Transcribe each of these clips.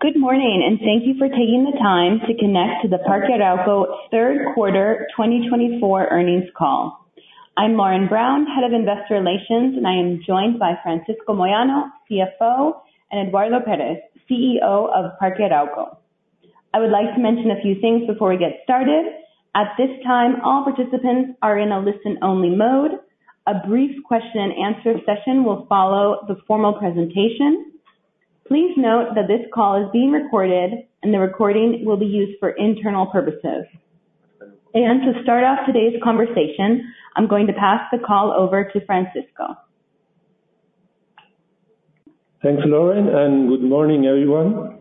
Good morning, and thank you for taking the time to connect to the Parque Arauco Third Quarter 2024 Earnings Call. I'm Lauren Brown, Head of Investor Relations, and I am joined by Francisco Moyano, CFO, and Eduardo Pérez, CEO of Parque Arauco. I would like to mention a few things before we get started. At this time, all participants are in a listen-only mode. A brief question and answer session will follow the formal presentation. Please note that this call is being recorded and the recording will be used for internal purposes. To start off today's conversation, I'm going to pass the call over to Francisco. Thanks, Lauren, and good morning, everyone.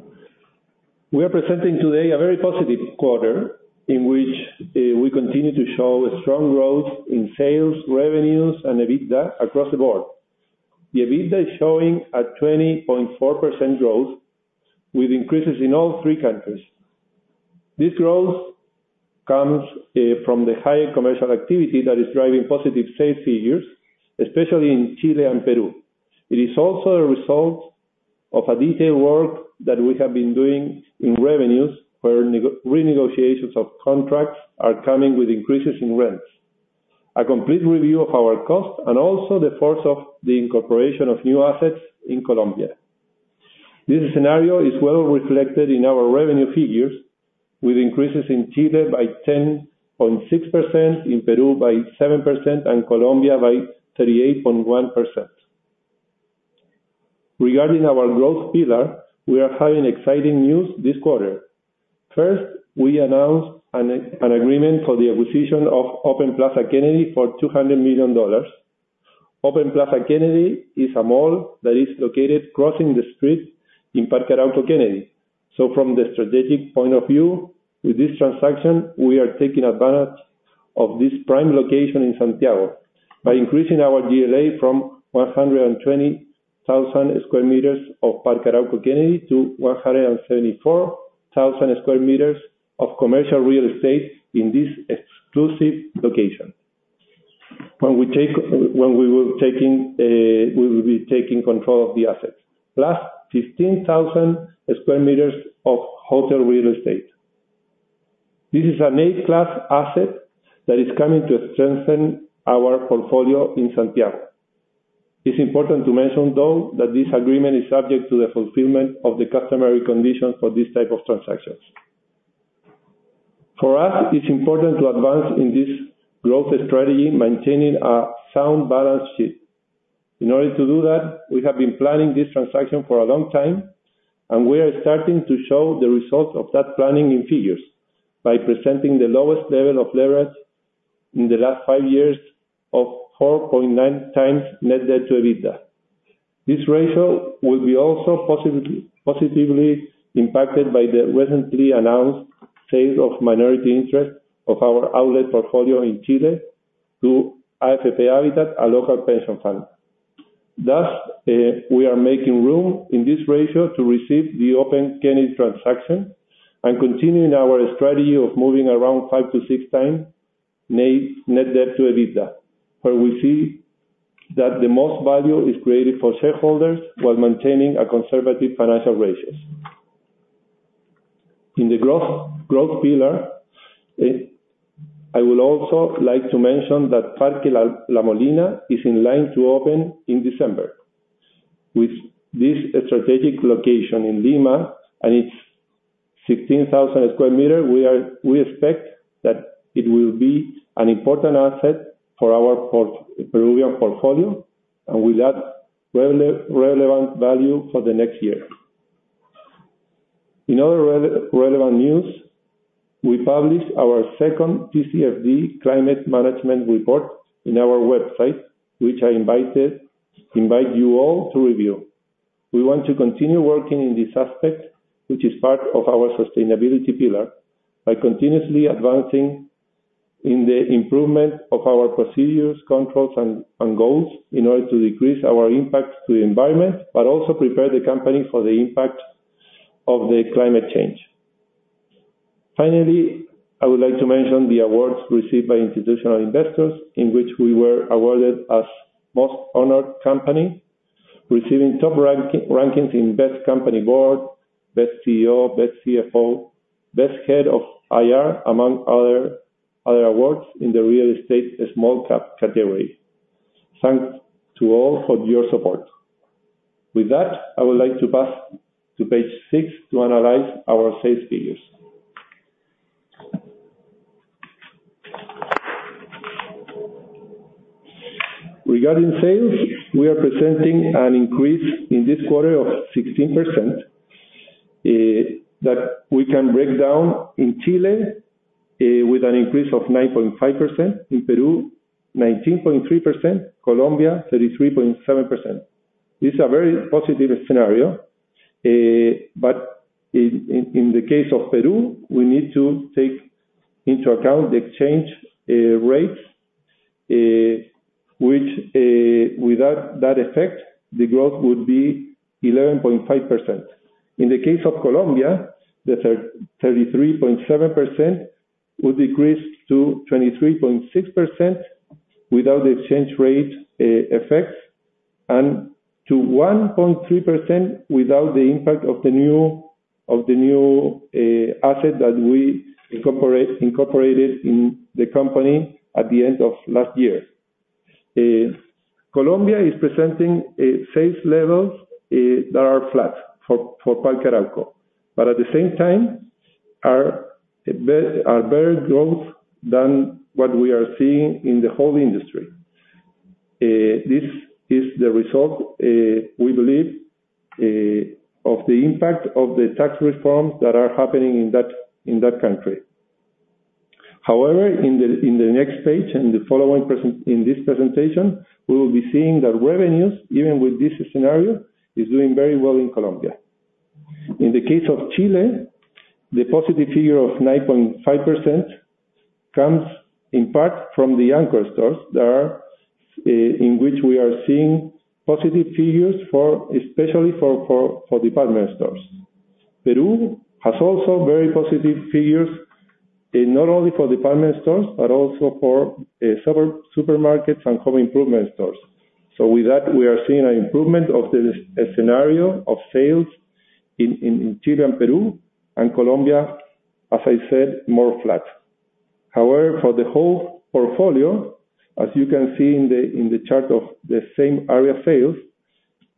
We are presenting today a very positive quarter in which we continue to show a strong growth in sales, revenues, and EBITDA across the board. The EBITDA is showing a 20.4% growth with increases in all three countries. This growth comes from the high commercial activity that is driving positive sales figures, especially in Chile and Peru. It is also a result of a detailed work that we have been doing in revenues where renegotiations of contracts are coming with increases in rents. A complete review of our costs and also the force of the incorporation of new assets in Colombia. This scenario is well reflected in our revenue figures, with increases in Chile by 10.6%, in Peru by 7%, and Colombia by 38.1%. Regarding our growth pillar, we are having exciting news this quarter. First, we announced an agreement for the acquisition of Open Plaza Kennedy for $200 million. Open Plaza Kennedy is a mall that is located crossing the street in Parque Arauco Kennedy. From the strategic point of view, with this transaction, we are taking advantage of this prime location in Santiago by increasing our GLA from 120,000 sq m of Parque Arauco Kennedy to 174,000 sq m of commercial real estate in this exclusive location. When we will be taking control of the assets, plus 15,000 sq m of hotel real estate. This is an A-class asset that is coming to strengthen our portfolio in Santiago. It's important to mention, though, that this agreement is subject to the fulfillment of the customary conditions for these type of transactions. For us, it's important to advance in this growth strategy, maintaining a sound balance sheet. In order to do that, we have been planning this transaction for a long time, and we are starting to show the results of that planning in figures by presenting the lowest level of leverage in the last five years of 4.9x net debt to EBITDA. This ratio will be also positively impacted by the recently announced sales of minority interest of our outlet portfolio in Chile to AFP Habitat, a local pension fund. Thus, we are making room in this ratio to receive the Open Plaza Kennedy transaction and continuing our strategy of moving around 5x-6x net debt to EBITDA, where we see that the most value is created for shareholders while maintaining a conservative financial ratios. In the growth pillar, I will also like to mention that Parque La Molina is in line to open in December. With this strategic location in Lima and its 16,000 sq m, we expect that it will be an important asset for our Peruvian portfolio and will add relevant value for the next year. In other relevant news, we published our second TCFD Climate Management Report in our website, which I invite you all to review. We want to continue working in this aspect, which is part of our sustainability pillar, by continuously advancing in the improvement of our procedures, controls and goals in order to decrease our impact to the environment, but also prepare the company for the impact of the climate change. Finally, I would like to mention the awards received by Institutional Investor, in which we were awarded as Most Honored Company, receiving top rankings in Best Company Board, Best CEO, Best CFO, Best Head of IR, among other awards in the real estate small cap category. Thanks to all for your support. With that, I would like to pass to page six to analyze our sales figures. Regarding sales, we are presenting an increase in this quarter of 16%, that we can break down in Chile with an increase of 9.5%, in Peru 19.3%, Colombia 33.7%. This is a very positive scenario, but in the case of Peru, we need to take into account the exchange rates, which without that effect, the growth would be 11.5%. In the case of Colombia, the 33.7% would decrease to 23.6%. Without the exchange rate effects, and to 1.3% without the impact of the new asset that we incorporated in the company at the end of last year. Colombia is presenting sales levels that are flat for Parque Arauco. At the same time, are a better growth than what we are seeing in the whole industry. This is the result, we believe, of the impact of the tax reforms that are happening in that country. However in the next page, in this presentation, we will be seeing that revenues, even with this scenario, is doing very well in Colombia. In the case of Chile, the positive figure of 9.5% comes in part from the anchor stores that are in which we are seeing positive figures for, especially for department stores. Peru has also very positive figures, not only for department stores, but also for several supermarkets and home improvement stores. We are seeing an improvement of the scenario of sales in Chile and Peru, and Colombia, as I said, more flat. However, for the whole portfolio, as you can see in the chart of the same-store sales,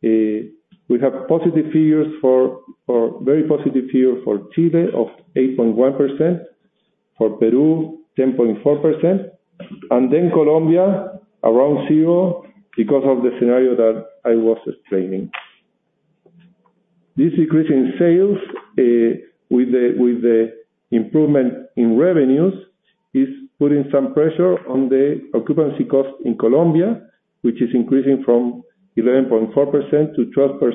we have very positive figures for Chile of 8.1%, for Peru 10.4%, and then Colombia around zero because of the scenario that I was explaining. This increase in sales, with the improvement in revenues, is putting some pressure on the occupancy costs in Colombia, which is increasing from 11.4% to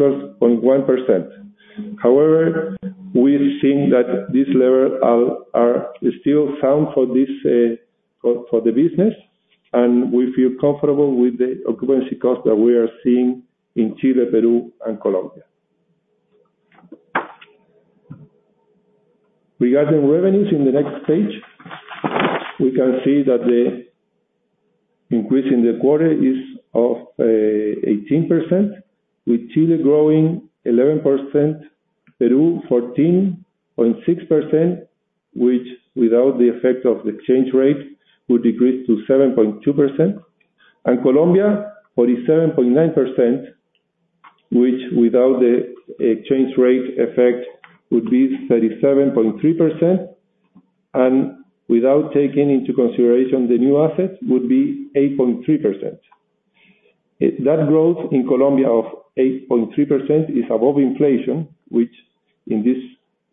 12.1%. However, we've seen that this level are still sound for this for the business, and we feel comfortable with the occupancy cost that we are seeing in Chile, Peru, and Colombia. Regarding revenues, in the next page we can see that the increase in the quarter is of 18%, with Chile growing 11%, Peru 14.6%, which without the effect of the exchange rate, would decrease to 7.2%. Colombia 47.9%, which without the exchange rate effect would be 37.3%, and without taking into consideration the new assets, would be 8.3%. That growth in Colombia of 8.3% is above inflation, which in this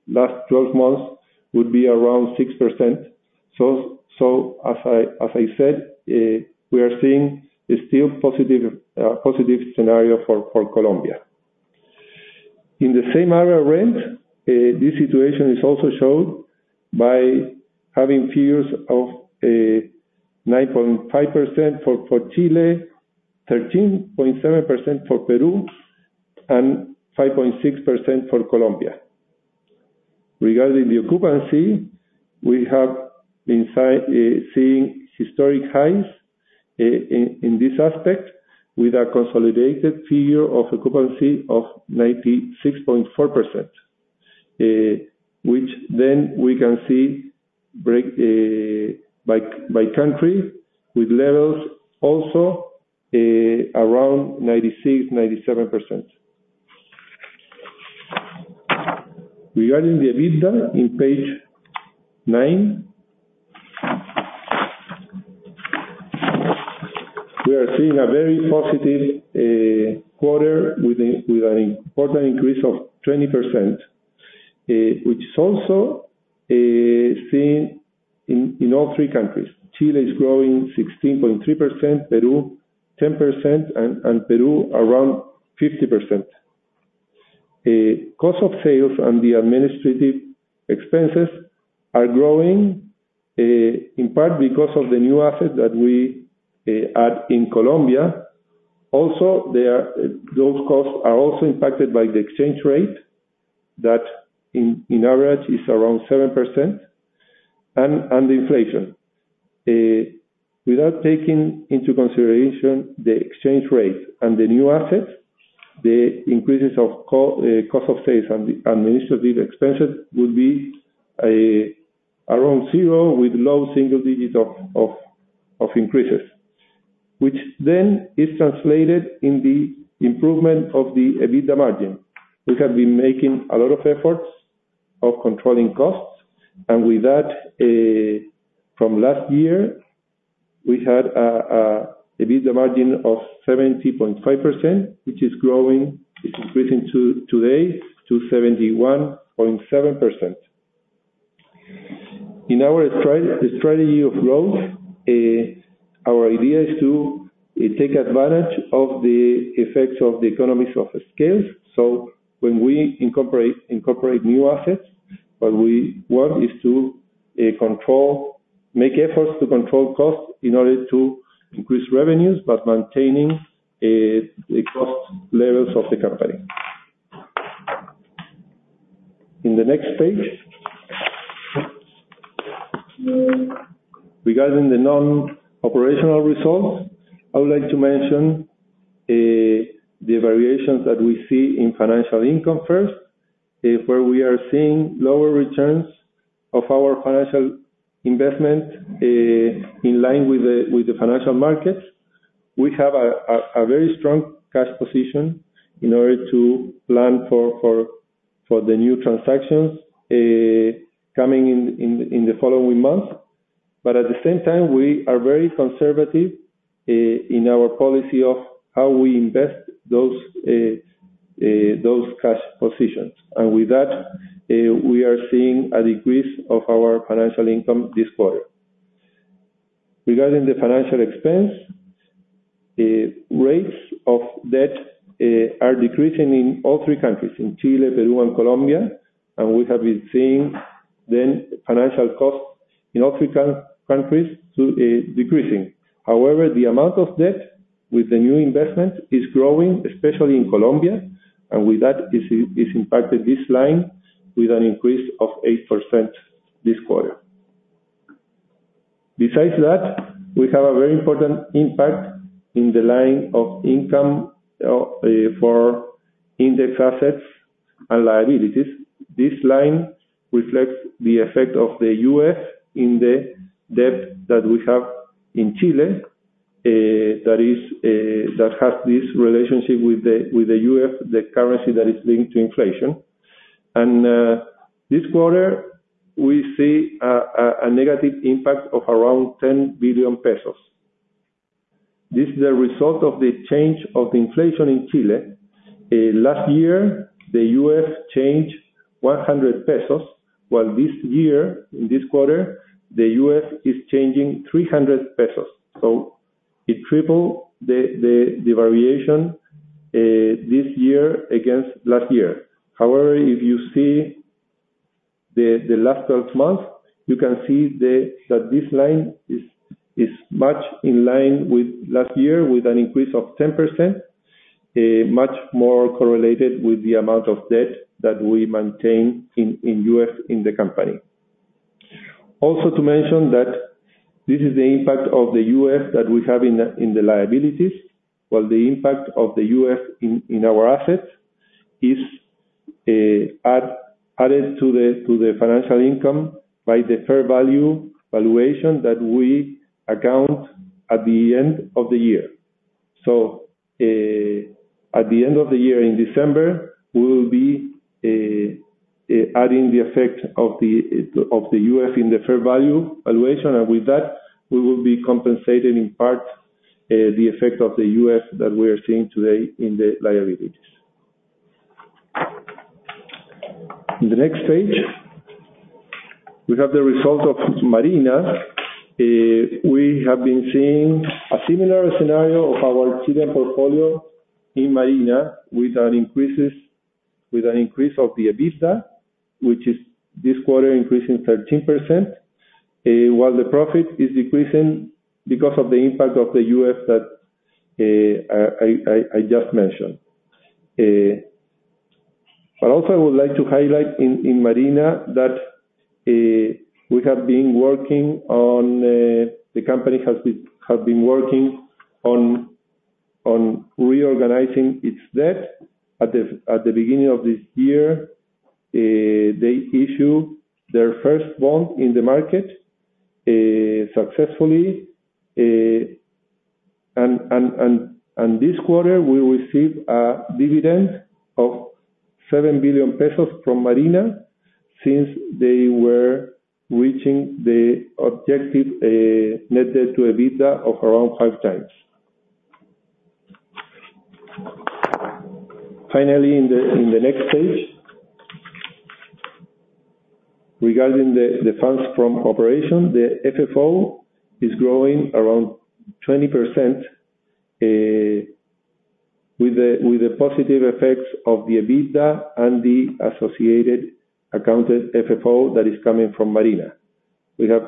last 12 months would be around 6%. As I said, we are seeing a still positive scenario for Colombia. In the same area rent, this situation is also shown by having figures of 9.5% for Chile, 13.7% for Peru, and 5.6% for Colombia. Regarding the occupancy, we have been seeing historic highs in this aspect with a consolidated figure of occupancy of 96.4%. Which we can see broken by country with levels also around 96%, 97%. Regarding the EBITDA on page nine. We are seeing a very positive quarter with an important increase of 20%, which is also seen in all three countries. Chile is growing 16.3%, Peru 10%, and Colombia around 50%. Cost of sales and the administrative expenses are growing in part because of the new assets that we add in Colombia. Those costs are also impacted by the exchange rate that in average is around 7%, and inflation. Without taking into consideration the exchange rate and the new assets, the increases of cost of sales and the administrative expenses would be around zero with low single digits of increases. Which then is translated in the improvement of the EBITDA margin. We have been making a lot of efforts of controlling costs, and with that, from last year, we had a EBITDA margin of 70.5%, which is growing, which is increasing to today to 71.7%. In our strategy of growth, our idea is to take advantage of the effects of the economies of scale. When we incorporate new assets, what we want is to make efforts to control costs in order to increase revenues, but maintaining the cost levels of the company. In the next page regarding the non-operational results, I would like to mention the variations that we see in financial income first, is where we are seeing lower returns of our financial investment, in line with the financial markets. We have a very strong cash position in order to plan for the new transactions coming in the following months. At the same time, we are very conservative in our policy of how we invest those cash positions. With that, we are seeing a decrease of our financial income this quarter. Regarding the financial expense, the rates of debt are decreasing in all three countries, in Chile, Peru, and Colombia. We have been seeing the financial costs in all three countries decreasing. However, the amount of debt with the new investment is growing, especially in Colombia. With that, is impacted this line with an increase of 8% this quarter. Besides that, we have a very important impact in the line of income for indexed assets and liabilities. This line reflects the effect of the UF in the debt that we have in Chile, that is, that has this relationship with the UF, the currency that is linked to inflation. This quarter, we see a negative impact of around 10 billion pesos. This is a result of the change of inflation in Chile. Last year, the UF changed 100 pesos, while this year, in this quarter, the UF is changing 300 pesos. It tripled the variation this year against last year. However, if you see the last 12 months, you can see that this line is much in line with last year, with an increase of 10%, much more correlated with the amount of debt that we maintain in UF in the company. Also to mention that this is the impact of the UF that we have in the liabilities, while the impact of the UF in our assets is added to the financial income by the fair value valuation that we account at the end of the year. At the end of the year in December, we will be adding the effect of the UF in the fair value valuation. With that, we will be compensated in part the effect of the UF that we are seeing today in the liabilities. In the next page, we have the results of Marina. We have been seeing a similar scenario of our Chile portfolio in Marina with an increase of the EBITDA, which is this quarter increasing 13%, while the profit is decreasing because of the impact of the UF that I just mentioned. But also I would like to highlight in Marina that we have been working on, the company has been working on reorganizing its debt. At the beginning of this year, they issue their first bond in the market successfully. And this quarter we received a dividend of 7 billion pesos from Marina since they were reaching the objective, net debt to EBITDA of around 5x. Finally, in the next page. Regarding the funds from operations, the FFO is growing around 20%, with the positive effects of the EBITDA and the associated accounted FFO that is coming from Marina. We have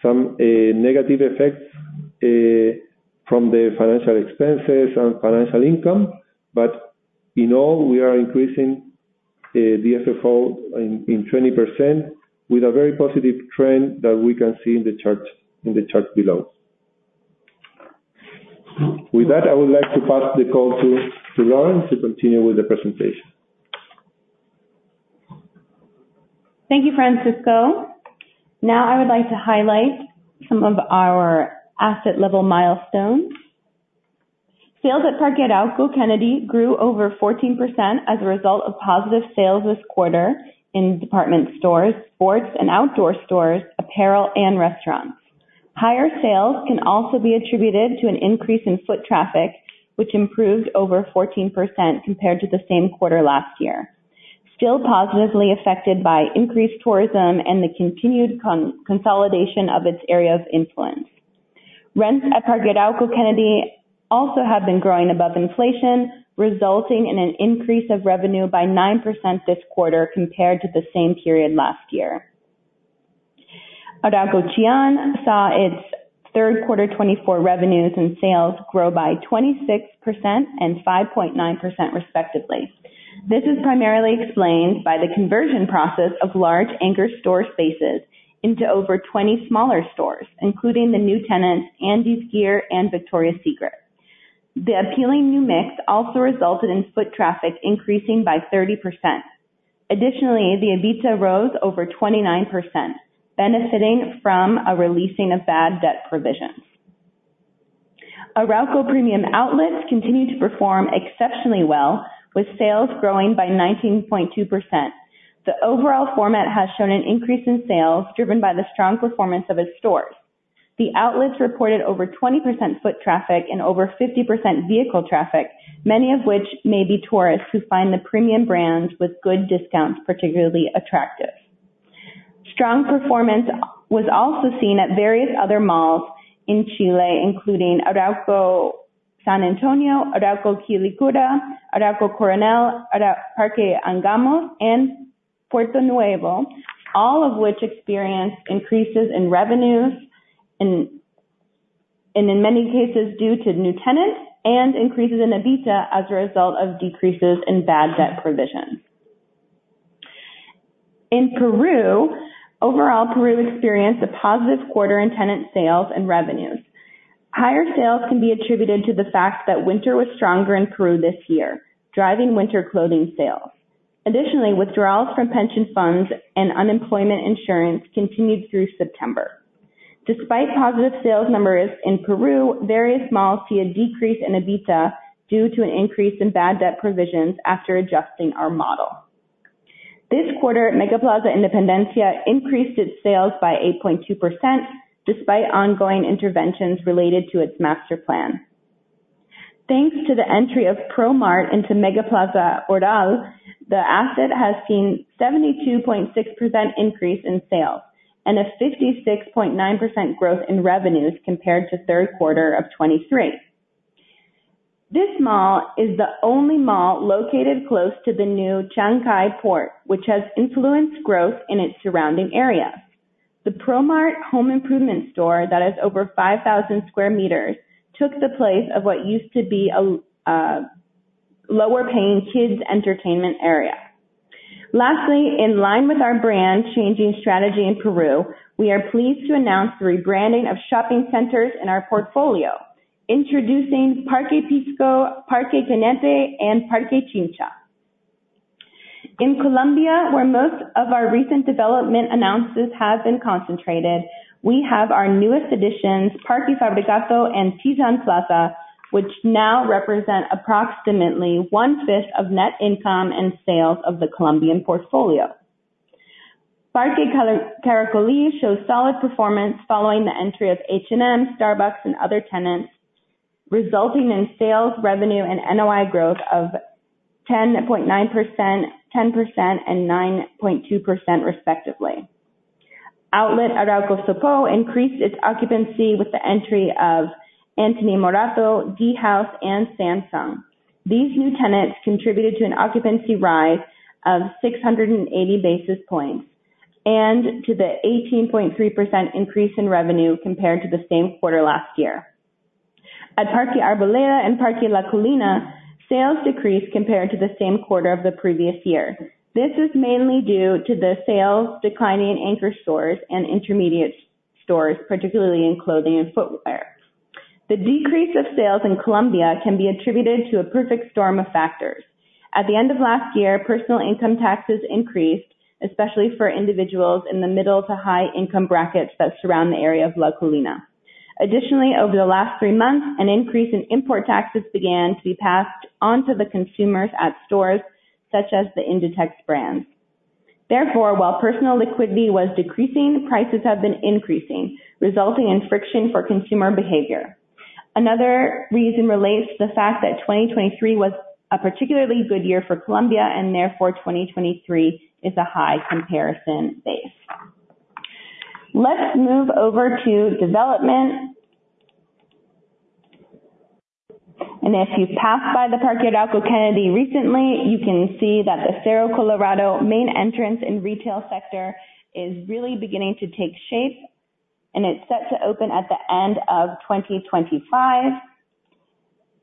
some negative effects from the financial expenses and financial income, but in all, we are increasing the FFO in 20% with a very positive trend that we can see in the chart below. With that, I would like to pass the call to Lauren to continue with the presentation. Thank you, Francisco. Now I would like to highlight some of our asset level milestones. Sales at Parque Arauco Kennedy grew over 14% as a result of positive sales this quarter in department stores, sports and outdoor stores, apparel and restaurants. Higher sales can also be attributed to an increase in foot traffic, which improved over 14% compared to the same quarter last year. Still positively affected by increased tourism and the continued consolidation of its area of influence. Rents at Parque Arauco Kennedy also have been growing above inflation, resulting in an increase of revenue by 9% this quarter compared to the same period last year. Arauco Chillán saw its third quarter 2024 revenues and sales grow by 26% and 5.9% respectively. This is primarily explained by the conversion process of large anchor store spaces into over 20 smaller stores, including the new tenants, Andesgear and Victoria's Secret. The appealing new mix also resulted in foot traffic increasing by 30%. Additionally, the EBITDA rose over 29%, benefiting from a releasing of bad debt provisions. Arauco Premium Outlets continued to perform exceptionally well, with sales growing by 19.2%. The overall format has shown an increase in sales driven by the strong performance of its stores. The outlets reported over 20% foot traffic and over 50% vehicle traffic, many of which may be tourists who find the premium brands with good discounts particularly attractive. Strong performance was also seen at various other malls in Chile, including Arauco San Antonio, Arauco Quilicura, Arauco Coronel, Parque Angamos, and Puerto Nuevo. All of which experienced increases in revenues and in many cases due to new tenants and increases in EBITDA as a result of decreases in bad debt provisions. In Peru, overall, Peru experienced a positive quarter in tenant sales and revenues. Higher sales can be attributed to the fact that winter was stronger in Peru this year, driving winter clothing sales. Additionally, withdrawals from pension funds and unemployment insurance continued through September. Despite positive sales numbers in Peru, various malls see a decrease in EBITDA due to an increase in bad debt provisions after adjusting our model. This quarter, MegaPlaza Independencia increased its sales by 8.2% despite ongoing interventions related to its master plan. Thanks to the entry of Promart into MegaPlaza Huaral, the asset has seen 72.6% increase in sales and a 56.9% growth in revenues compared to third quarter of 2023. This mall is the only mall located close to the new Chancay Port, which has influenced growth in its surrounding area. The Promart home improvement store that is over 5,000 sq m took the place of what used to be a lower paying kids' entertainment area. Lastly, in line with our brand changing strategy in Peru, we are pleased to announce the rebranding of shopping centers in our portfolio, introducing Parque Pisco, Parque Cañete, and Parque Chincha. In Colombia, where most of our recent development announcements have been concentrated, we have our newest additions, Parque Fabricato and Titán Plaza, which now represent approximately 1/5 of net income and sales of the Colombian portfolio. Parque Caracolí shows solid performance following the entry of H&M, Starbucks, and other tenants, resulting in sales, revenue, and NOI growth of 10.9%, 10%, and 9.2% respectively. Outlet Arauco Sopó increased its occupancy with the entry of Antony Morato, Dhouse, and Samsung. These new tenants contributed to an occupancy rise of 680 basis points and to the 18.3% increase in revenue compared to the same quarter last year. At Parque Arboleda and Parque La Colina, sales decreased compared to the same quarter of the previous year. This is mainly due to the sales declining in anchor stores and intermediate stores, particularly in clothing and footwear. The decrease of sales in Colombia can be attributed to a perfect storm of factors. At the end of last year, personal income taxes increased, especially for individuals in the middle to high income brackets that surround the area of La Colina. Additionally, over the last three months, an increase in import taxes began to be passed on to the consumers at stores such as the Inditex brands. Therefore, while personal liquidity was decreasing, prices have been increasing, resulting in friction for consumer behavior. Another reason relates to the fact that 2023 was a particularly good year for Colombia, and therefore, 2023 is a high comparison base. Let's move over to development. If you've passed by the Parque Arauco Kennedy recently, you can see that the Cerro Colorado main entrance and retail sector is really beginning to take shape, and it's set to open at the end of 2025.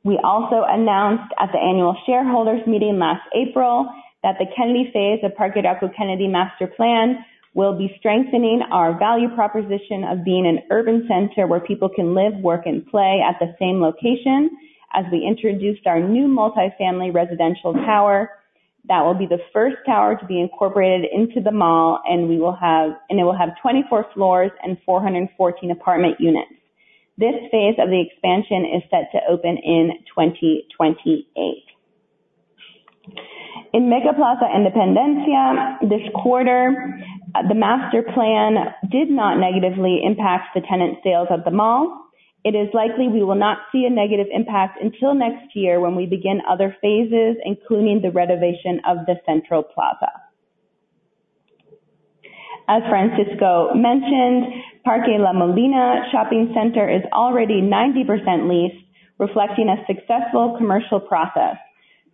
We also announced at the annual shareholders meeting last April that the Kennedy phase of Parque Arauco Kennedy master plan will be strengthening our value proposition of being an urban center where people can live, work, and play at the same location. As we introduced our new multi-family residential tower, that will be the first tower to be incorporated into the mall, and it will have 24 floors and 414 apartment units. This phase of the expansion is set to open in 2028. In MegaPlaza Independencia this quarter, the master plan did not negatively impact the tenant sales of the mall. It is likely we will not see a negative impact until next year when we begin other phases, including the renovation of the central plaza. As Francisco mentioned, Parque La Molina Shopping Center is already 90% leased, reflecting a successful commercial process.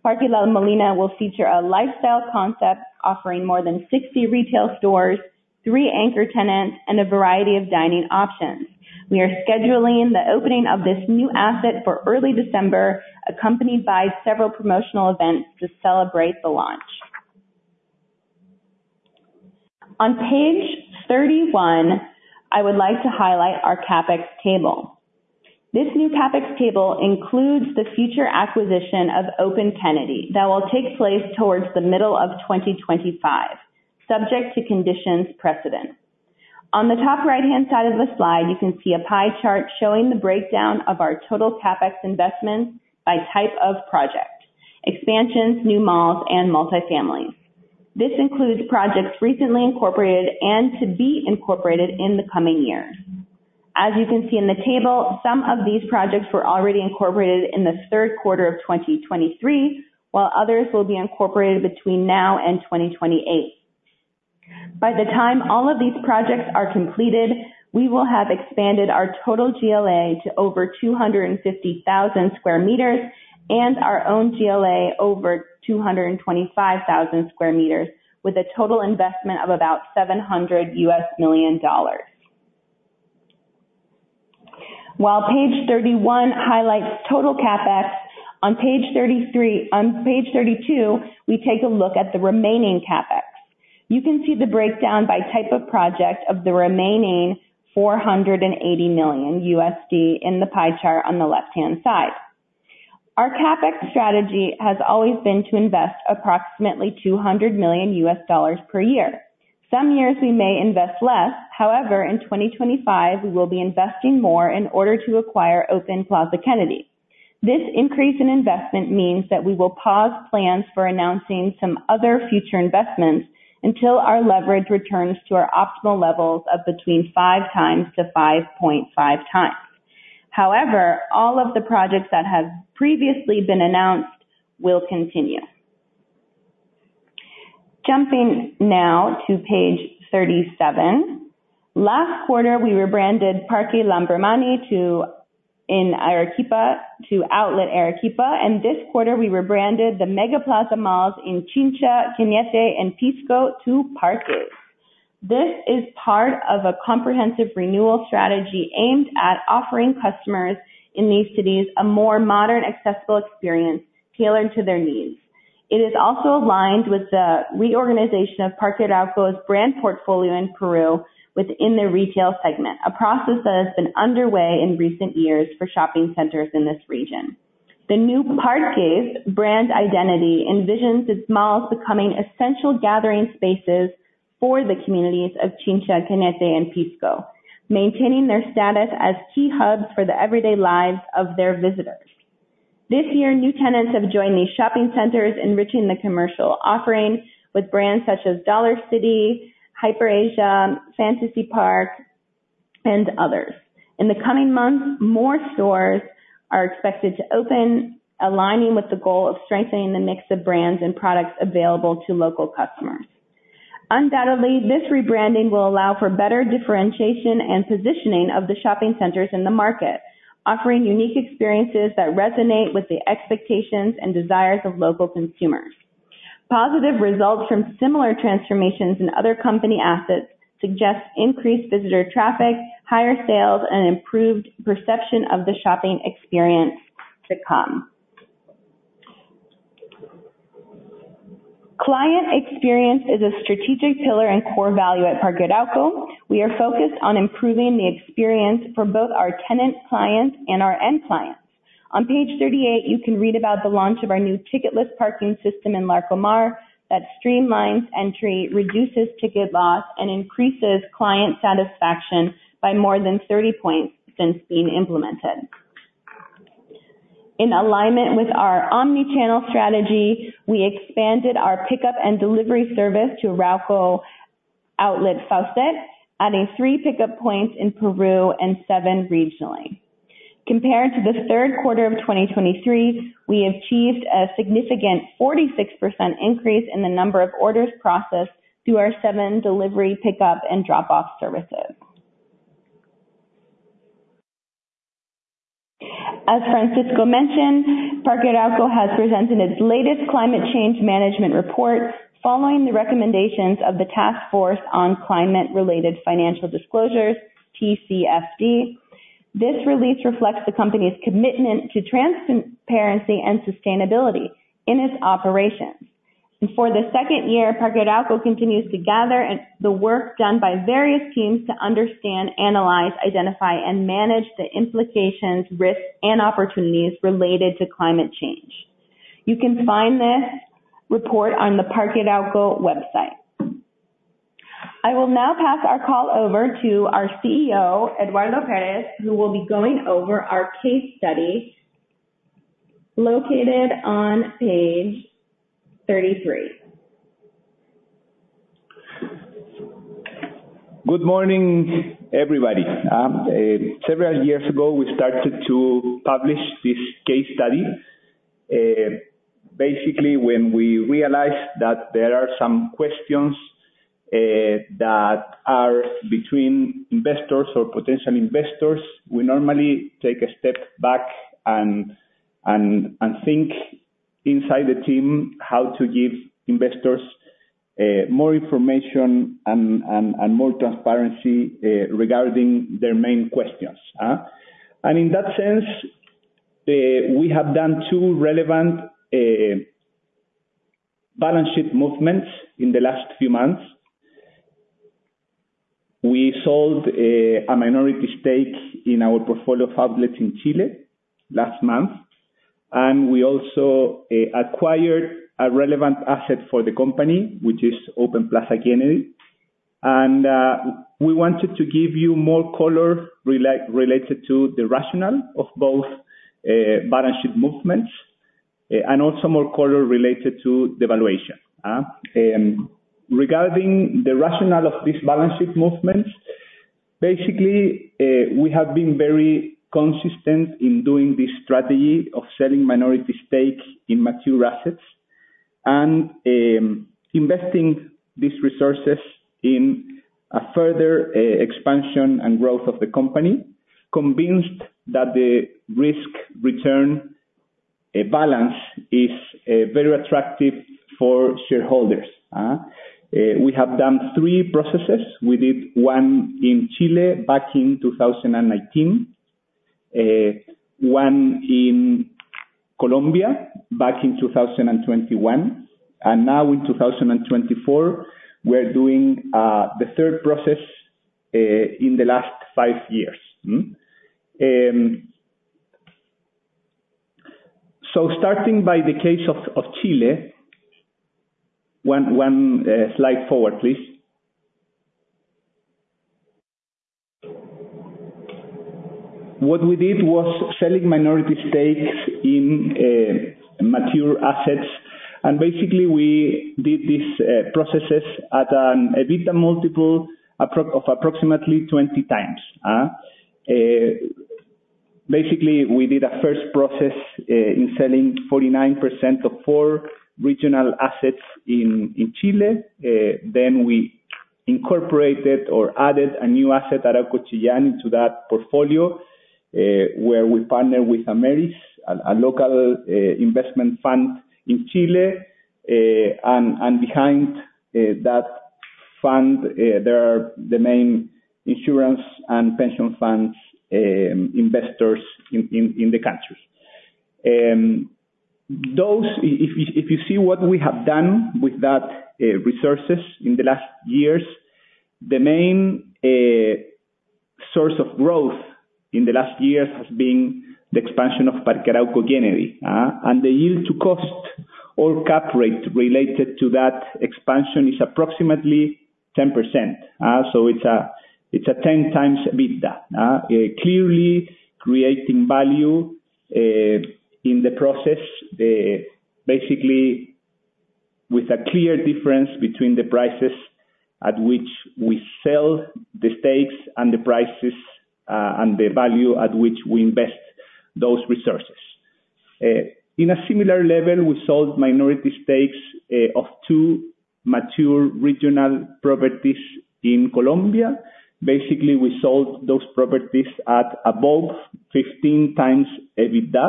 Parque La Molina will feature a lifestyle concept offering more than 60 retail stores, three anchor tenants and a variety of dining options. We are scheduling the opening of this new asset for early December, accompanied by several promotional events to celebrate the launch. On page 31, I would like to highlight our CapEx table. This new CapEx table includes the future acquisition of Open Plaza Kennedy that will take place towards the middle of 2025, subject to conditions precedent. On the top right-hand side of the slide, you can see a pie chart showing the breakdown of our total CapEx investments by type of project. Expansions, new malls and multifamily. This includes projects recently incorporated and to be incorporated in the coming years. As you can see in the table, some of these projects were already incorporated in the third quarter of 2023, while others will be incorporated between now and 2028. By the time all of these projects are completed, we will have expanded our total GLA to over 250,000 sq m and our own GLA over 225,000 sq m, with a total investment of about $700 million. While page 31 highlights total CapEx, on page 32, we take a look at the remaining CapEx. You can see the breakdown by type of project of the remaining $480 million in the pie chart on the left-hand side. Our CapEx strategy has always been to invest approximately $200 million per year. Some years we may invest less. However, in 2025, we will be investing more in order to acquire Open Plaza Kennedy. This increase in investment means that we will pause plans for announcing some other future investments until our leverage returns to our optimal levels between 5x and 5.5x. However, all of the projects that have previously been announced will continue. Jumping now to page 37. Last quarter, we rebranded Parque Lambramani in Arequipa to Outlet Arequipa, and this quarter we rebranded the MegaPlaza malls in Chincha, Cañete, and Pisco to Parque. This is part of a comprehensive renewal strategy aimed at offering customers in these cities a more modern, accessible experience tailored to their needs. It is also aligned with the reorganization of Parque Arauco's brand portfolio in Peru within their retail segment, a process that has been underway in recent years for shopping centers in this region. The new Parque brand identity envisions its malls becoming essential gathering spaces for the communities of Chincha, Cañete and Pisco, maintaining their status as key hubs for the everyday lives of their visitors. This year, new tenants have joined these shopping centers, enriching the commercial offering with brands such as Dollarcity, HiperAsia, Fantasy Park, and others. In the coming months, more stores are expected to open, aligning with the goal of strengthening the mix of brands and products available to local customers. Undoubtedly, this rebranding will allow for better differentiation and positioning of the shopping centers in the market, offering unique experiences that resonate with the expectations and desires of local consumers. Positive results from similar transformations in other company assets suggest increased visitor traffic, higher sales, and improved perception of the shopping experience to come. Client experience is a strategic pillar and core value at Parque Arauco. We are focused on improving the experience for both our tenant clients and our end clients. On page 38, you can read about the launch of our new ticketless parking system in Larcomar that streamlines entry, reduces ticket loss, and increases client satisfaction by more than 30 points since being implemented. In alignment with our omni-channel strategy, we expanded our pickup and delivery service to Arauco Outlet Faucett, adding three pickup points in Peru and seven regionally. Compared to the third quarter of 2023, we achieved a significant 46% increase in the number of orders processed through our seven delivery, pickup and drop off services. As Francisco mentioned, Parque Arauco has presented its latest climate change management report following the recommendations of the Task Force on Climate-related Financial Disclosures, TCFD. This release reflects the company's commitment to transparency and sustainability in its operations. For the second year, Parque Arauco continues to gather the work done by various teams to understand, analyze, identify and manage the implications, risks and opportunities related to climate change. You can find this report on the Parque Arauco website. I will now pass our call over to our CEO, Eduardo Pérez, who will be going over our case study located on page 33. Good morning, everybody. Several years ago, we started to publish this case study. Basically, when we realized that there are some questions that are between investors or potential investors. We normally take a step back and think inside the team how to give investors more information and more transparency regarding their main questions. In that sense, we have done two relevant balance sheet movements in the last few months. We sold a minority stake in our portfolio of outlets in Chile last month, and we also acquired a relevant asset for the company, which is Open Plaza Kennedy. We wanted to give you more color related to the rationale of both balance sheet movements, and also more color related to the valuation. Regarding the rationale of these balance sheet movements, basically, we have been very consistent in doing this strategy of selling minority stakes in mature assets and investing these resources in a further expansion and growth of the company, convinced that the risk-return balance is very attractive for shareholders. We have done three processes. We did one in Chile back in 2019, one in Colombia back in 2021, and now in 2024, we're doing the third process in the last five years. Starting by the case of Chile. One slide forward, please. What we did was selling minority stakes in mature assets, and basically, we did these processes at an EBITDA multiple of approximately 20x. Basically, we did a first process in selling 49% of four regional assets in Chile. We incorporated or added a new asset, Arauco Chillán, into that portfolio, where we partner with Ameris, a local investment fund in Chile. Behind that fund, there are the main insurance and pension funds investors in the country. If you see what we have done with that resources in the last years, the main source of growth in the last years has been the expansion of Parque Arauco Kennedy, and the yield to cost or cap rate related to that expansion is approximately 10%. It's a 10x EBITDA. Clearly creating value in the process, basically with a clear difference between the prices at which we sell the stakes and the prices and the value at which we invest those resources. In a similar level, we sold minority stakes of two mature regional properties in Colombia. Basically, we sold those properties at above 15x EBITDA,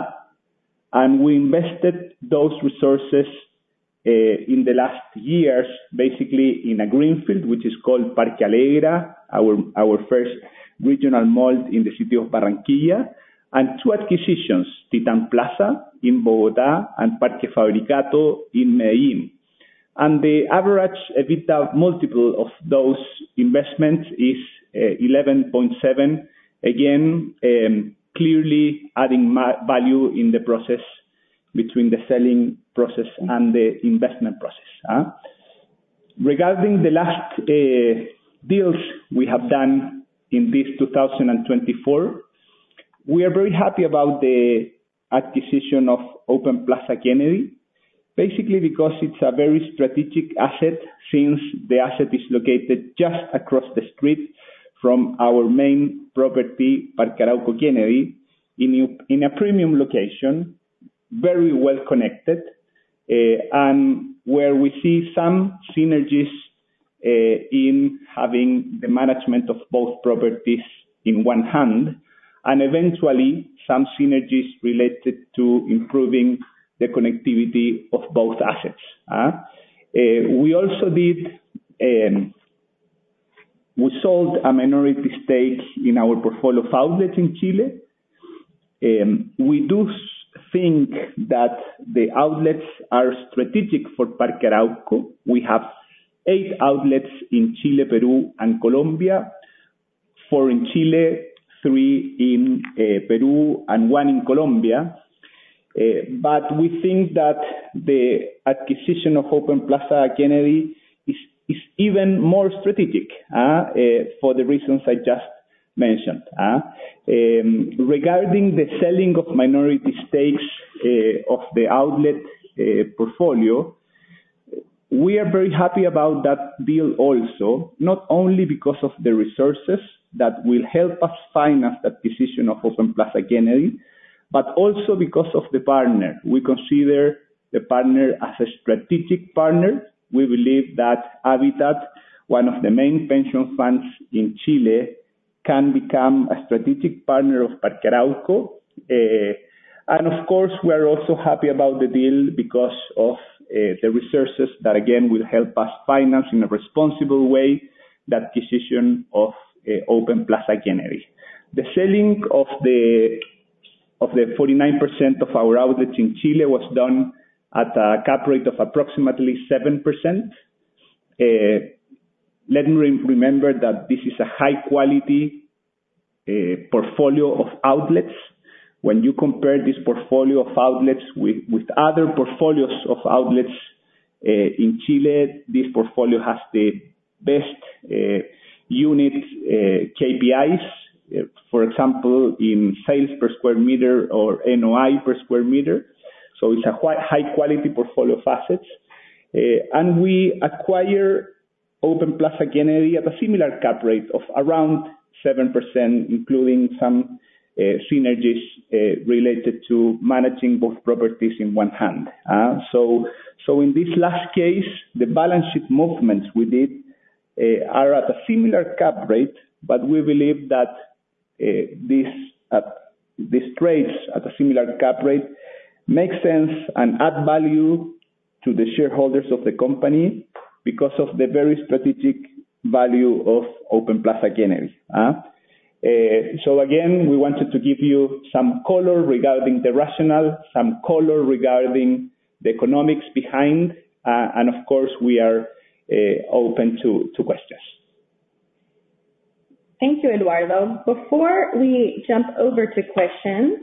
and we invested those resources in the last years, basically in a greenfield, which is called Parque Alegra, our first regional mall in the city of Barranquilla, and two acquisitions, Titán Plaza in Bogotá and Parque Fabricato in Medellín. The average EBITDA multiple of those investments is 11.7. Again, clearly adding value in the process between the selling process and the investment process. Regarding the last deals we have done in this 2024, we are very happy about the acquisition of Open Plaza Kennedy, basically because it's a very strategic asset, since the asset is located just across the street from our main property, Parque Arauco Kennedy, in a premium location, very well connected, and where we see some synergies in having the management of both properties in one hand, and eventually some synergies related to improving the connectivity of both assets. We also did. We sold a minority stake in our portfolio of outlets in Chile. We do think that the outlets are strategic for Parque Arauco. We have eight outlets in Chile, Peru, and Colombia. Four in Chile, three in Peru, and one in Colombia. We think that the acquisition of Open Plaza Kennedy is even more strategic for the reasons I just mentioned. Regarding the selling of minority stakes of the outlet portfolio, we are very happy about that deal also, not only because of the resources that will help us finance that decision of Open Plaza Kennedy. Also because of the partner. We consider the partner as a strategic partner. We believe that AFP Habitat, one of the main pension funds in Chile, can become a strategic partner of Parque Arauco. Of course, we're also happy about the deal because of the resources that again will help us finance in a responsible way that decision of Open Plaza Kennedy. The selling of the 49% of our outlets in Chile was done at a cap rate of approximately 7%. Let me remind that this is a high quality portfolio of outlets. When you compare this portfolio of outlets with other portfolios of outlets in Chile, this portfolio has the best unit KPIs. For example, in sales per square meter or NOI per square meter. It's a high quality portfolio of assets. We acquire Open Plaza Kennedy at a similar cap rate of around 7%, including some synergies related to managing both properties in one hand. In this last case, the balance sheet movements we did are at a similar cap rate, but we believe that this trades at a similar cap rate makes sense and add value to the shareholders of the company because of the very strategic value of Open Plaza Kennedy. Again, we wanted to give you some color regarding the rationale, some color regarding the economics behind. Of course, we are open to questions. Thank you, Eduardo. Before we jump over to questions,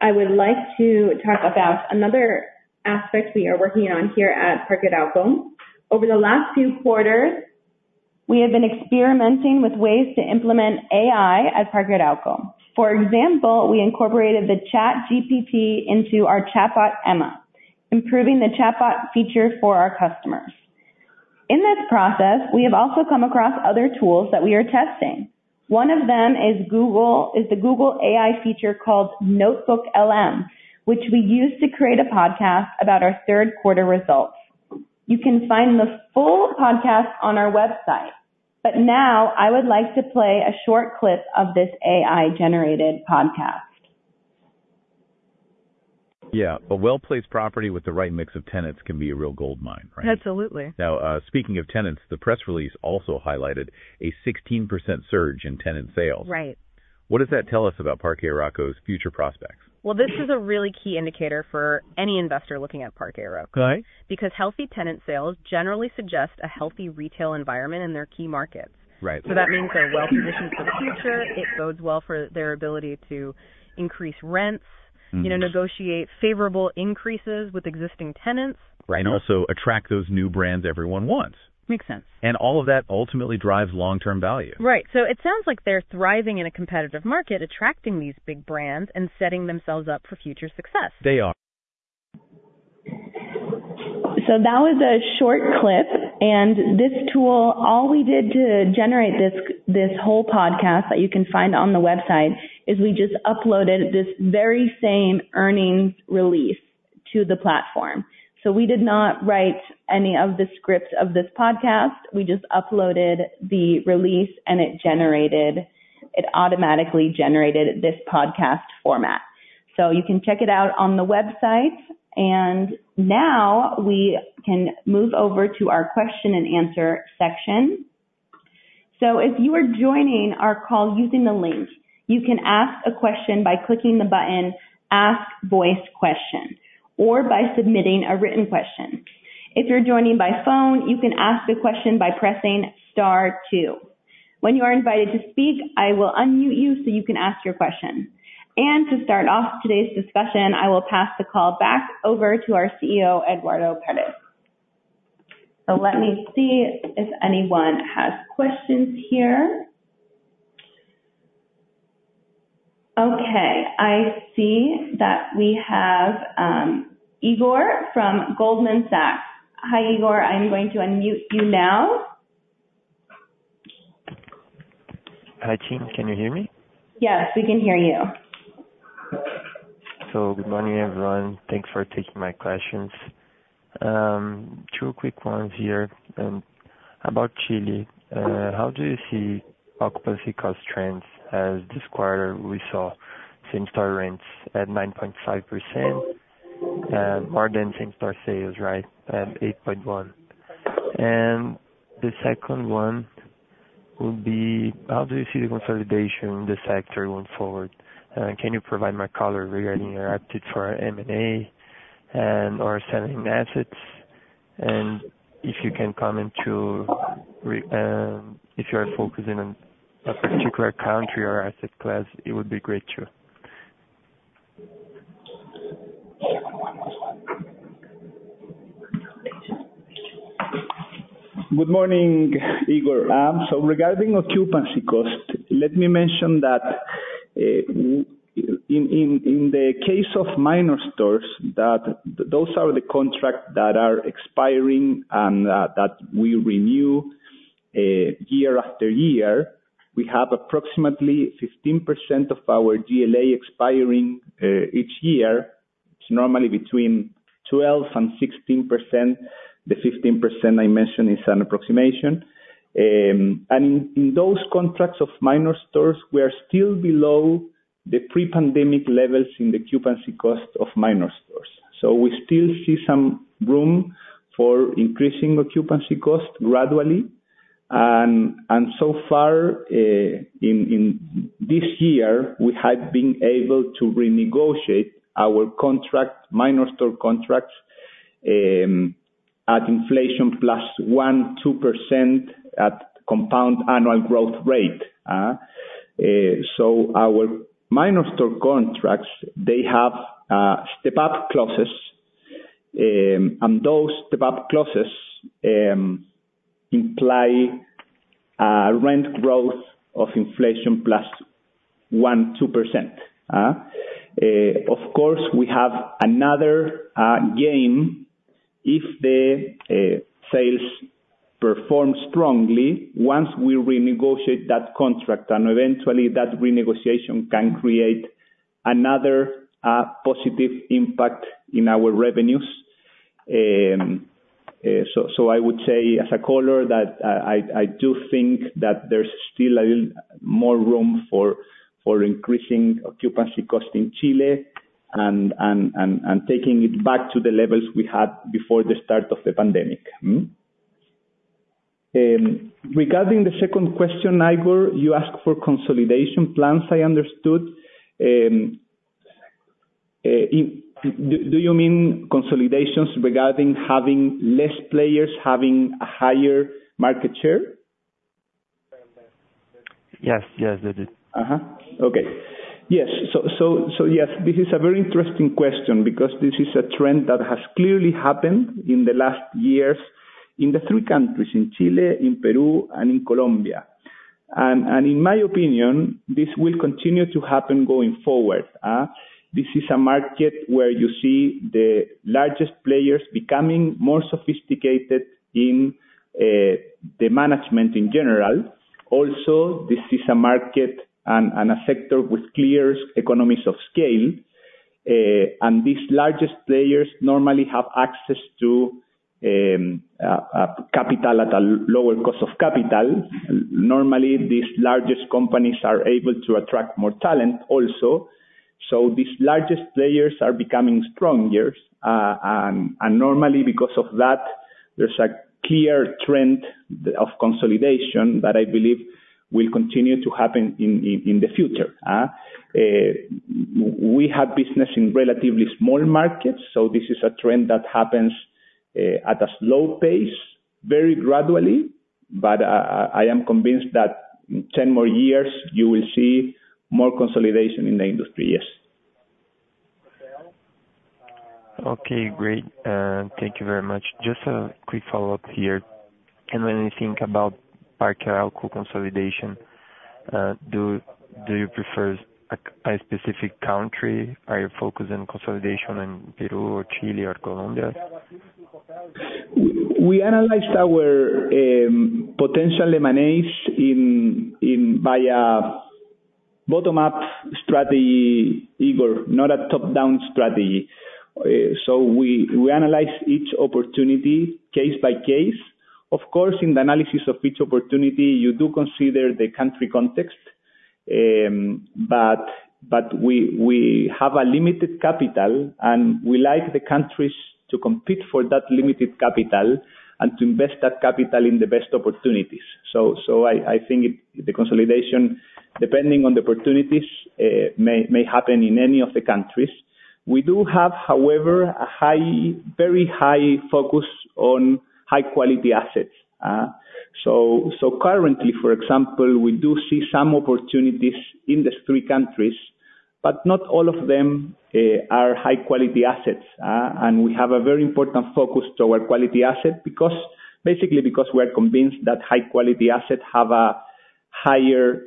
I would like to talk about another aspect we are working on here at Parque Arauco. Over the last few quarters, we have been experimenting with ways to implement AI at Parque Arauco. For example, we incorporated the ChatGPT into our chatbot, Emma, improving the chatbot feature for our customers. In this process, we have also come across other tools that we are testing. One of them is the Google AI feature called NotebookLM, which we use to create a podcast about our third quarter results. You can find the full podcast on our website. But now I would like to play a short clip of this AI-generated podcast. Yeah. A well-placed property with the right mix of tenants can be a real goldmine, right? Absolutely. Now, speaking of tenants, the press release also highlighted a 16% surge in tenant sales. Right. What does that tell us about Parque Arauco's future prospects? Well, this is a really key indicator for any investor looking at Parque Arauco. Okay. Because healthy tenant sales generally suggest a healthy retail environment in their key markets. Right. That means they're well-positioned for the future. It bodes well for their ability to increase rents. Mm-hmm. You know, negotiate favorable increases with existing tenants. Right. Also attract those new brands everyone wants. Makes sense. All of that ultimately drives long-term value. Right. It sounds like they're thriving in a competitive market, attracting these big brands and setting themselves up for future success. They are. That was a short clip. This tool, all we did to generate this whole podcast that you can find on the website is we just uploaded this very same earnings release to the platform. We did not write any of the scripts of this podcast. We just uploaded the release, and it automatically generated this podcast format. You can check it out on the website. Now we can move over to our question and answer section. If you are joining our call using the link, you can ask a question by clicking the button, Ask Voice Question, or by submitting a written question. If you're joining by phone, you can ask the question by pressing star two. When you are invited to speak, I will unmute you so you can ask your question. To start off today's discussion, I will pass the call back over to our CEO, Eduardo Pérez. Let me see if anyone has questions here. Okay, I see that we have, Igor from Goldman Sachs. Hi, Igor. I'm going to unmute you now. Hi, team. Can you hear me? Yes, we can hear you. Good morning, everyone. Thanks for taking my questions. Two quick ones here. About Chile, how do you see occupancy cost trends as this quarter we saw same-store rents at 9.5%, more than same-store sales, right, at 8.1%. The second one would be, how do you see the consolidation in this sector going forward. Can you provide more color regarding your appetite for M&A and/or selling assets. If you are focusing on a particular country or asset class, it would be great, too. Good morning, Igor. Regarding occupancy cost, let me mention that in the case of minor stores, that those are the contracts that are expiring and that we renew. Year after year, we have approximately 15% of our GLA expiring each year. It's normally between 12% and 16%. The 15% I mentioned is an approximation. In those contracts of minor stores, we are still below the pre-pandemic levels in the occupancy cost of minor stores. We still see some room for increasing occupancy cost gradually. So far this year, we have been able to renegotiate our contract, minor store contracts, at inflation plus 1%-2% at compound annual growth rate. Our minor store contracts, they have step-up clauses. Those step-up clauses imply rent growth of inflation plus 1%-2%. Of course, we have another game if the sales perform strongly once we renegotiate that contract. Eventually that renegotiation can create another positive impact in our revenues. I would say as a caller that I do think that there's still a little more room for increasing occupancy cost in Chile and taking it back to the levels we had before the start of the pandemic. Regarding the second question, Igor, you asked for consolidation plans, I understood. Do you mean consolidations regarding having less players having a higher market share? Yes. Yes, I do. Yes, this is a very interesting question because this is a trend that has clearly happened in the last years in the three countries, in Chile, in Peru, and in Colombia. In my opinion, this will continue to happen going forward. This is a market where you see the largest players becoming more sophisticated in the management in general. Also, this is a market and a sector with clear economies of scale. These largest players normally have access to capital at a lower cost of capital. Normally, these largest companies are able to attract more talent also. These largest players are becoming stronger. Normally because of that, there's a clear trend of consolidation that I believe will continue to happen in the future. We have business in relatively small markets, so this is a trend that happens at a slow pace, very gradually. I am convinced that 10 more years you will see more consolidation in the industry. Yes. Okay, great. Thank you very much. Just a quick follow-up here. When you think about Parque Arauco consolidation, do you prefer a specific country? Are you focused on consolidation in Peru or Chile or Colombia? We analyze our potential M&As in a bottom-up strategy, Igor, not a top-down strategy. We analyze each opportunity case by case. Of course, in the analysis of each opportunity, you do consider the country context. We have a limited capital, and we like the countries to compete for that limited capital and to invest that capital in the best opportunities. I think the consolidation, depending on the opportunities, may happen in any of the countries. We do have, however, a very high focus on high-quality assets. Currently, for example, we do see some opportunities in these three countries, but not all of them are high-quality assets. We have a very important focus toward quality asset because basically we are convinced that high quality assets have a higher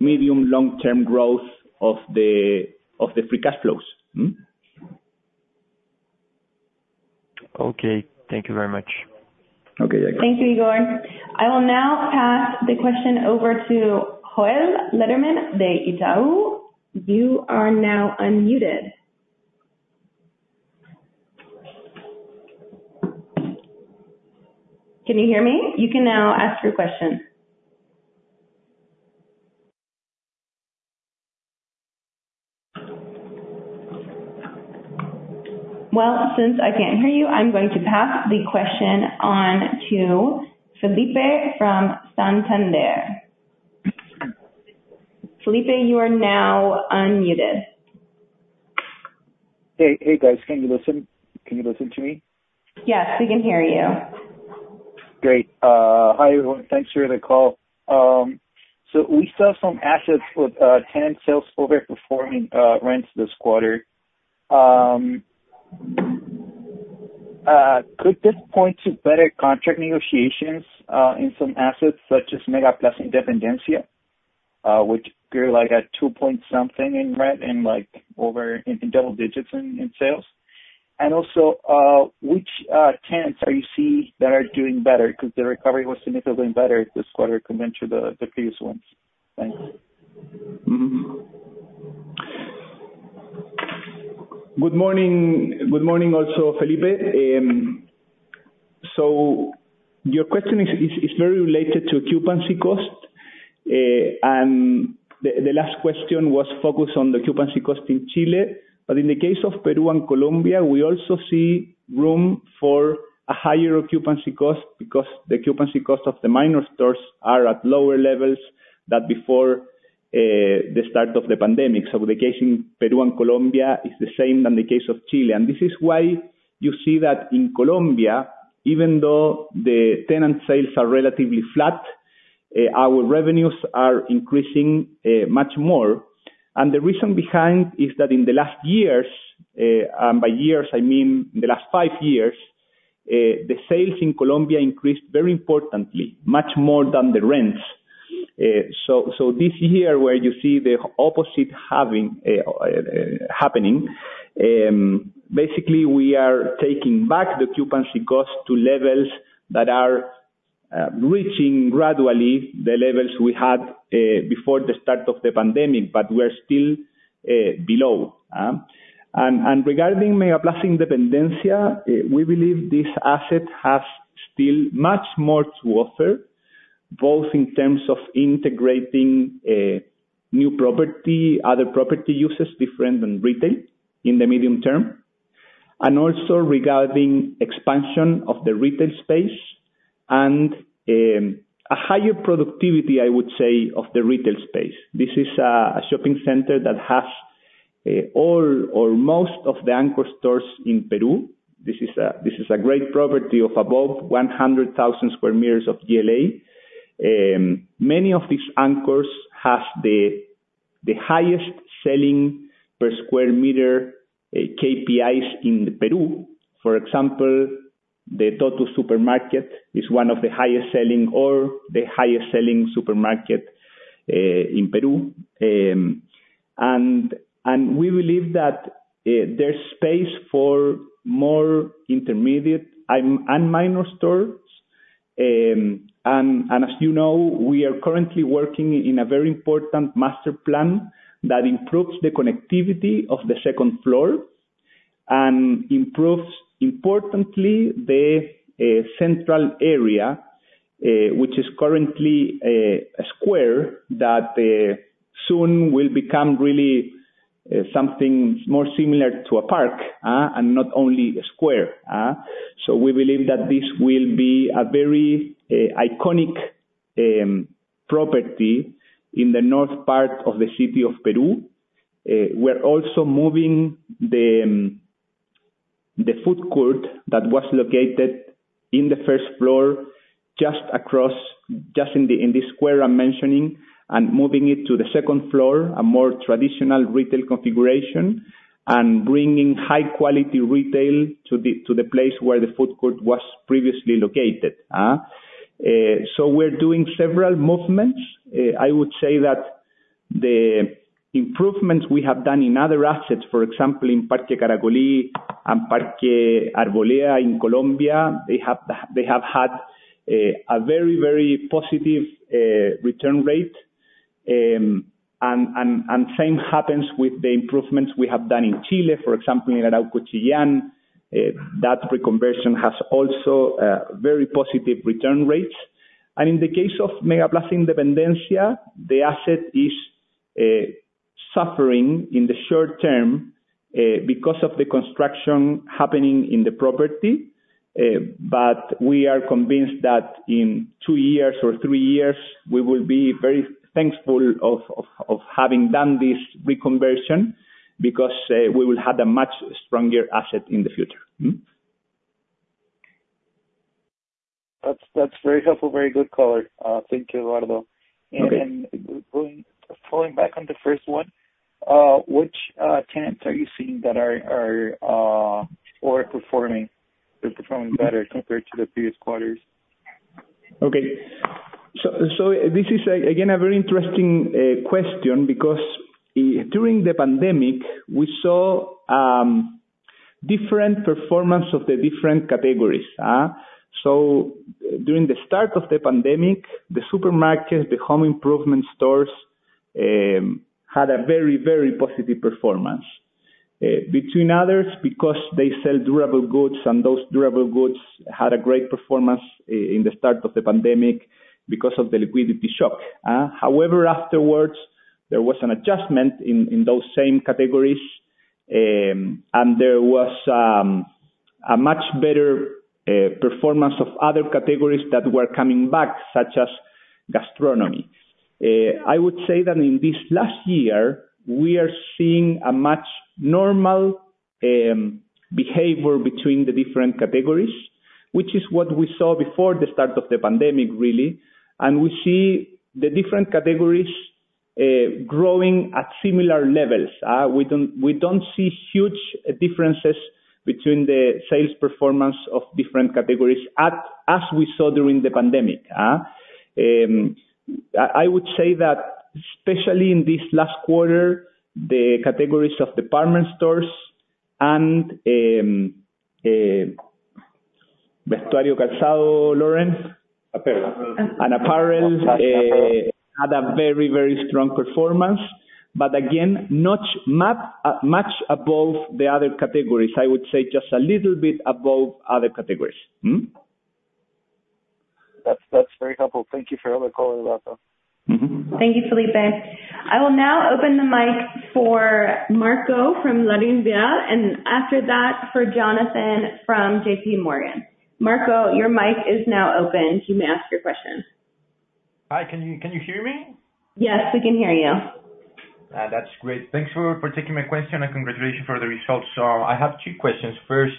medium long-term growth of the free cash flows. Okay. Thank you very much. Okay. Thank you, Igor. I will now pass the question over to Joel Lederman de Itaú. You are now unmuted. Can you hear me? You can now ask your question. Well, since I can't hear you, I'm going to pass the question on to Felipe from Santander. Felipe, you are now unmuted. Hey, guys, can you listen to me? Yes, we can hear you. Great. Hi, everyone. Thanks for the call. We saw some assets with tenant sales overperforming rents this quarter. Could this point to better contract negotiations in some assets such as MegaPlaza Independencia? Which grew like at two point something in rent and like over in double digits in sales. Also, which tenants do you see that are doing better? 'Cause the recovery was significantly better this quarter compared to the previous ones. Thanks. Good morning. Good morning also, Felipe. Your question is very related to occupancy costs. The last question was focused on the occupancy cost in Chile. In the case of Peru and Colombia, we also see room for a higher occupancy cost because the occupancy cost of the minor stores are at lower levels than before the start of the pandemic. The case in Peru and Colombia is the same than the case of Chile. This is why you see that in Colombia, even though the tenant sales are relatively flat, our revenues are increasing much more. The reason behind is that in the last years, and by years I mean the last five years, the sales in Colombia increased very importantly, much more than the rents. This year where you see the opposite happening, basically we are taking back the occupancy costs to levels that are reaching gradually the levels we had before the start of the pandemic, but we're still below. Regarding MegaPlaza Independencia, we believe this asset has still much more to offer, both in terms of integrating new property, other property uses different than retail in the medium term. Also regarding expansion of the retail space and a higher productivity, I would say, of the retail space. This is a shopping center that has all or most of the anchor stores in Peru. This is a great property of above 100,000 sq m of GLA. Many of these anchors has the highest sales per square meter KPIs in Peru. For example, the Tottus Supermarket is one of the highest selling, or the highest selling supermarket in Peru. We believe that there's space for more intermediate and minor stores. As you know, we are currently working in a very important master plan that improves the connectivity of the second floor and improves importantly the central area, which is currently a square that soon will become really something more similar to a park and not only a square. We believe that this will be a very iconic property in the north part of the city of Peru. We're also moving the food court that was located on the first floor just across, just in the square I'm mentioning, and moving it to the second floor, a more traditional retail configuration, and bringing high quality retail to the place where the food court was previously located. We're doing several movements. I would say that the improvements we have done in other assets, for example, in Parque Caracolí and Parque Arboleda in Colombia, they have had a very positive return rate. The same happens with the improvements we have done in Chile, for example, in Arauco Chillán, that reconversion has also very positive return rates. In the case of MegaPlaza Independencia, the asset is suffering in the short term because of the construction happening in the property. We are convinced that in two years or three years, we will be very thankful of having done this reconversion because we will have a much stronger asset in the future. That's very helpful. Very good color. Thank you, Eduardo. Okay. Falling back on the first one, which tenants are you seeing that are overperforming or performing better compared to the previous quarters? This is, again, a very interesting question because during the pandemic, we saw different performance of the different categories. During the start of the pandemic, the supermarkets, the home improvement stores, had a very, very positive performance. Between others, because they sell durable goods, and those durable goods had a great performance in the start of the pandemic because of the liquidity shock. However, afterwards, there was an adjustment in those same categories, and there was a much better performance of other categories that were coming back, such as gastronomy. I would say that in this last year, we are seeing a more normal behavior between the different categories, which is what we saw before the start of the pandemic, really. We see the different categories growing at similar levels. We don't see huge differences between the sales performance of different categories as we saw during the pandemic. I would say that especially in this last quarter, the categories of department stores and Vestuario Calzado, Lauren? Apparel. Apparel had a very, very strong performance. Again, not much above the other categories. I would say just a little bit above other categories. That's very helpful. Thank you for the color, Eduardo. Mm-hmm. Thank you, Felipe. I will now open the mic for Marco from LarrainVial, and after that, for Jonathan from JPMorgan. Marco, your mic is now open. You may ask your question. Hi, can you hear me? Yes, we can hear you. That's great. Thanks for taking my question, and congratulations for the results. I have two questions. First,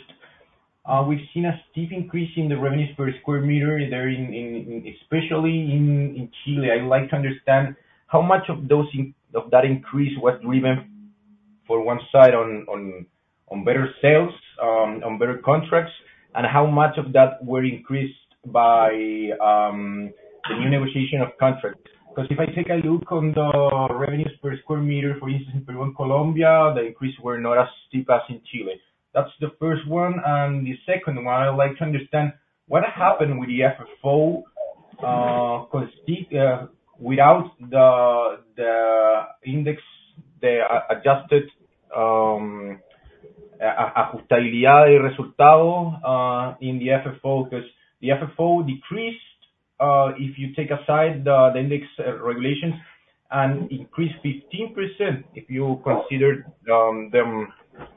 we've seen a steep increase in the revenues per square meter there in especially in Chile. I'd like to understand how much of that increase was driven for one side on better sales, on better contracts, and how much of that were increased by the new negotiation of contract? Because if I take a look on the revenues per square meter, for instance, in Peru and Colombia, the increase were not as steep as in Chile. That's the first one. The second one, I would like to understand what happened with the FFO, 'cause it without the index, the adjusted, in the FFO. 'Cause the FFO decreased, if you take aside the indexation regulations and increased 15% if you consider them.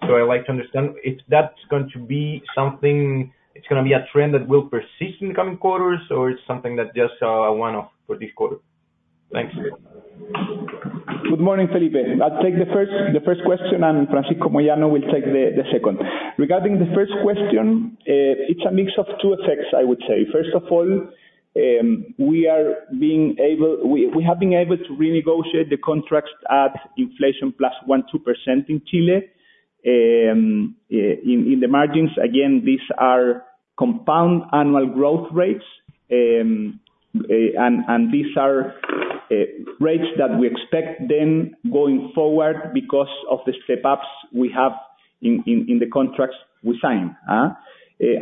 I'd like to understand if that's going to be something. It's gonna be a trend that will persist in the coming quarters or it's something that just a one-off for this quarter. Thanks. Good morning, Felipe. I'll take the first question, and Francisco Moyano will take the second. Regarding the first question, it's a mix of two effects, I would say. First of all, we have been able to renegotiate the contracts at inflation plus 1%-2% in Chile. In the margins, again, these are compound annual growth rates. These are rates that we expect then going forward because of the step-ups we have in the contracts we sign.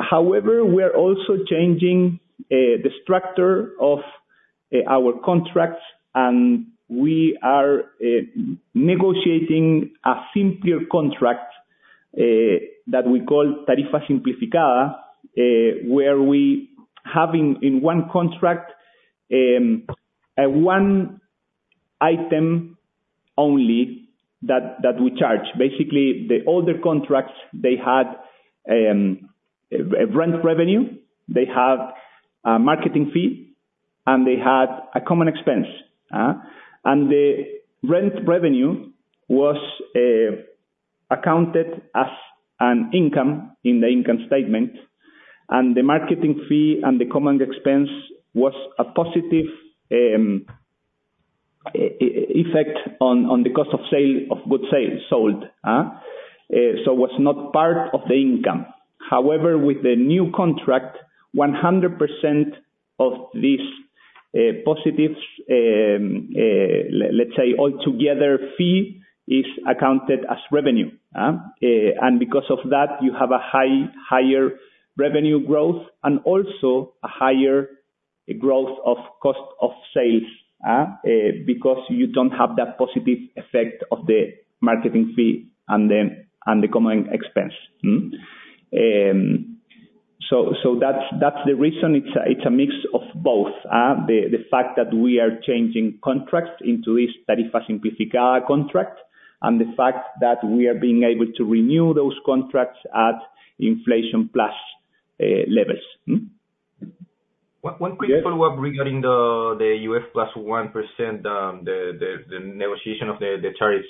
However, we are also changing the structure of our contracts, and we are negotiating a simpler contract that we call Tarifa Simplificada, where we have in one contract one item only that we charge. Basically, the older contracts, they had a rent revenue, they had a marketing fee, and they had a common expense. The rent revenue was accounted as an income in the income statement, and the marketing fee and the common expense was a positive effect on the cost of goods sold. It was not part of the income. However, with the new contract, 100% of these positives, let's say altogether fee, is accounted as revenue. Because of that, you have a higher revenue growth and also a higher growth of cost of sales, because you don't have that positive effect of the marketing fee and the common expense. That's the reason. It's a mix of both. The fact that we are changing contracts into this Tarifa Simplificada contract and the fact that we are being able to renew those contracts at inflation plus levels. One quick follow-up regarding the UF plus 1%, the negotiation of the tariffs.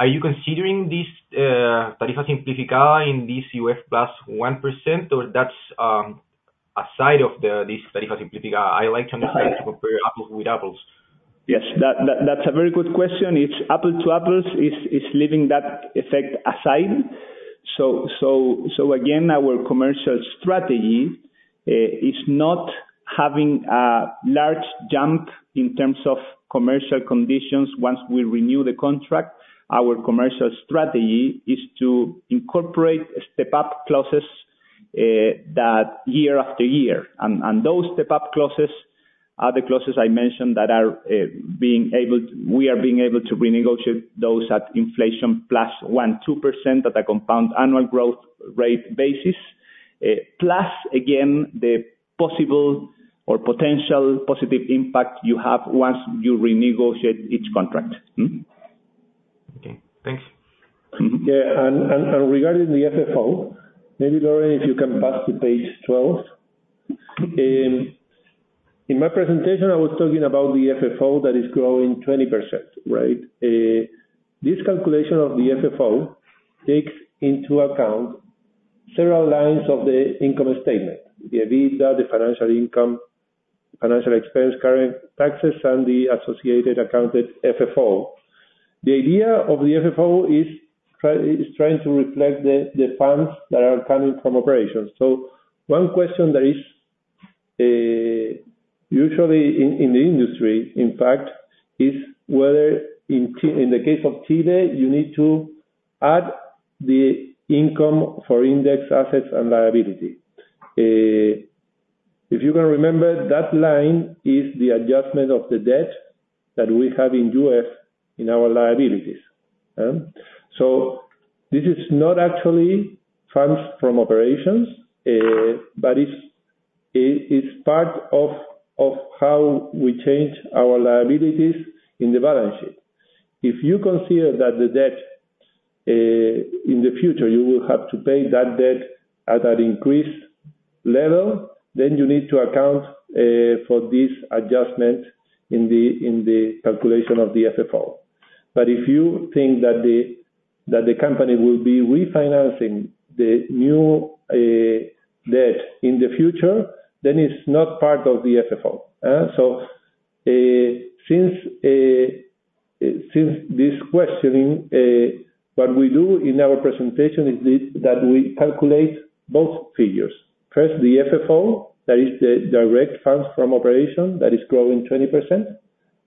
Are you considering this Tarifa Simplificada in this UF plus 1%, or that's a side of this Tarifa Simplificada? I like to understand to compare apples with apples. Yes. That's a very good question. It's apples to apples. It's leaving that effect aside. Again, our commercial strategy is not having a large jump in terms of commercial conditions once we renew the contract. Our commercial strategy is to incorporate step-up clauses that year after year. Those step-up clauses are the clauses I mentioned that we are able to renegotiate at inflation plus 1%-2% at a compound annual growth rate basis. Plus again, the possible or potential positive impact you have once you renegotiate each contract. Okay. Thanks. Mm-hmm. Regarding the FFO, maybe, Lauren, you can back to page 12. In my presentation, I was talking about the FFO that is growing 20%, right? This calculation of the FFO takes into account several lines of the income statement, the EBITDA, the financial income, financial expense, current taxes, and the associated accounted FFO. The idea of the FFO is trying to reflect the funds that are coming from operations. One question there is usually in the industry, in fact, whether in the case of Chile, you need to add the income for indexed assets and liability. If you can remember, that line is the adjustment of the debt that we have in UF in our liabilities. This is not actually funds from operations, but it is part of how we change our liabilities in the balance sheet. If you consider that the debt in the future you will have to pay that debt at an increased level, then you need to account for this adjustment in the calculation of the FFO. If you think that the company will be refinancing the new debt in the future, then it's not part of the FFO. Since this question, what we do in our presentation is that we calculate both figures. First, the FFO, that is the direct funds from operations, that is growing 20%,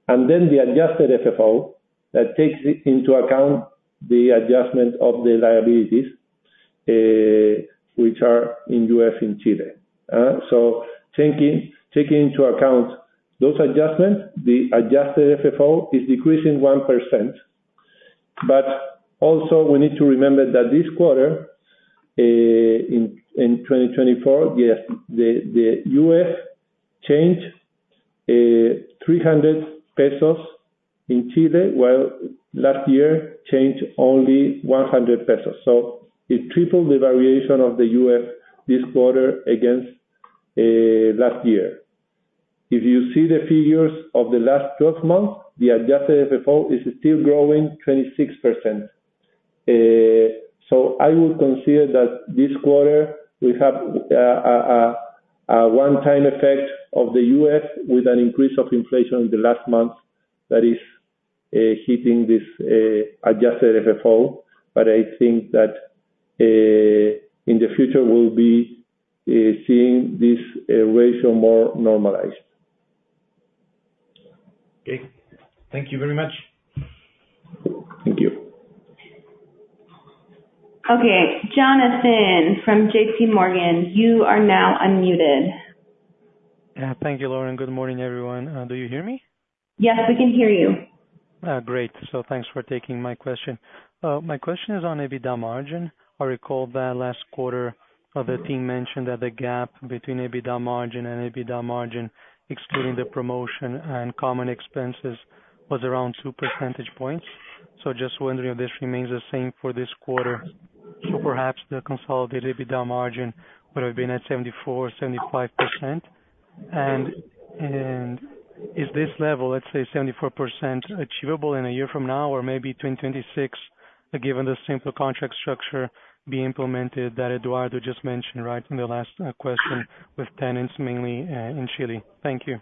and then the adjusted FFO that takes into account the adjustment of the liabilities, which are in U.S. and Chile. Taking into account those adjustments, the adjusted FFO is decreasing 1%. We need to remember that this quarter in 2024, the UF changed 300 pesos in Chile, while last year changed only 100 pesos. It tripled the variation of the UF this quarter against last year. If you see the figures of the last 12 months, the adjusted FFO is still growing 26%. I would consider that this quarter we have a one-time effect of the UF with an increase of inflation in the last month that is hitting this adjusted FFO. I think that in the future we'll be seeing this ratio more normalized. Okay. Thank you very much. Thank you. Okay, Jonathan from JPMorgan, you are now unmuted. Yeah. Thank you, Lauren. Good morning, everyone. Do you hear me? Yes, we can hear you. Great. Thanks for taking my question. My question is on EBITDA margin. I recall that last quarter. The team mentioned that the gap between EBITDA margin and EBITDA margin excluding the promotion and common expenses was around two percentage points. Just wondering if this remains the same for this quarter, so perhaps the consolidated EBITDA margin would have been at 74%, 75%. Is this level, let's say 74% achievable in a year from now or maybe 2026, given the simpler contract structure being implemented that Eduardo just mentioned right in the last question with tenants mainly in Chile? Thank you.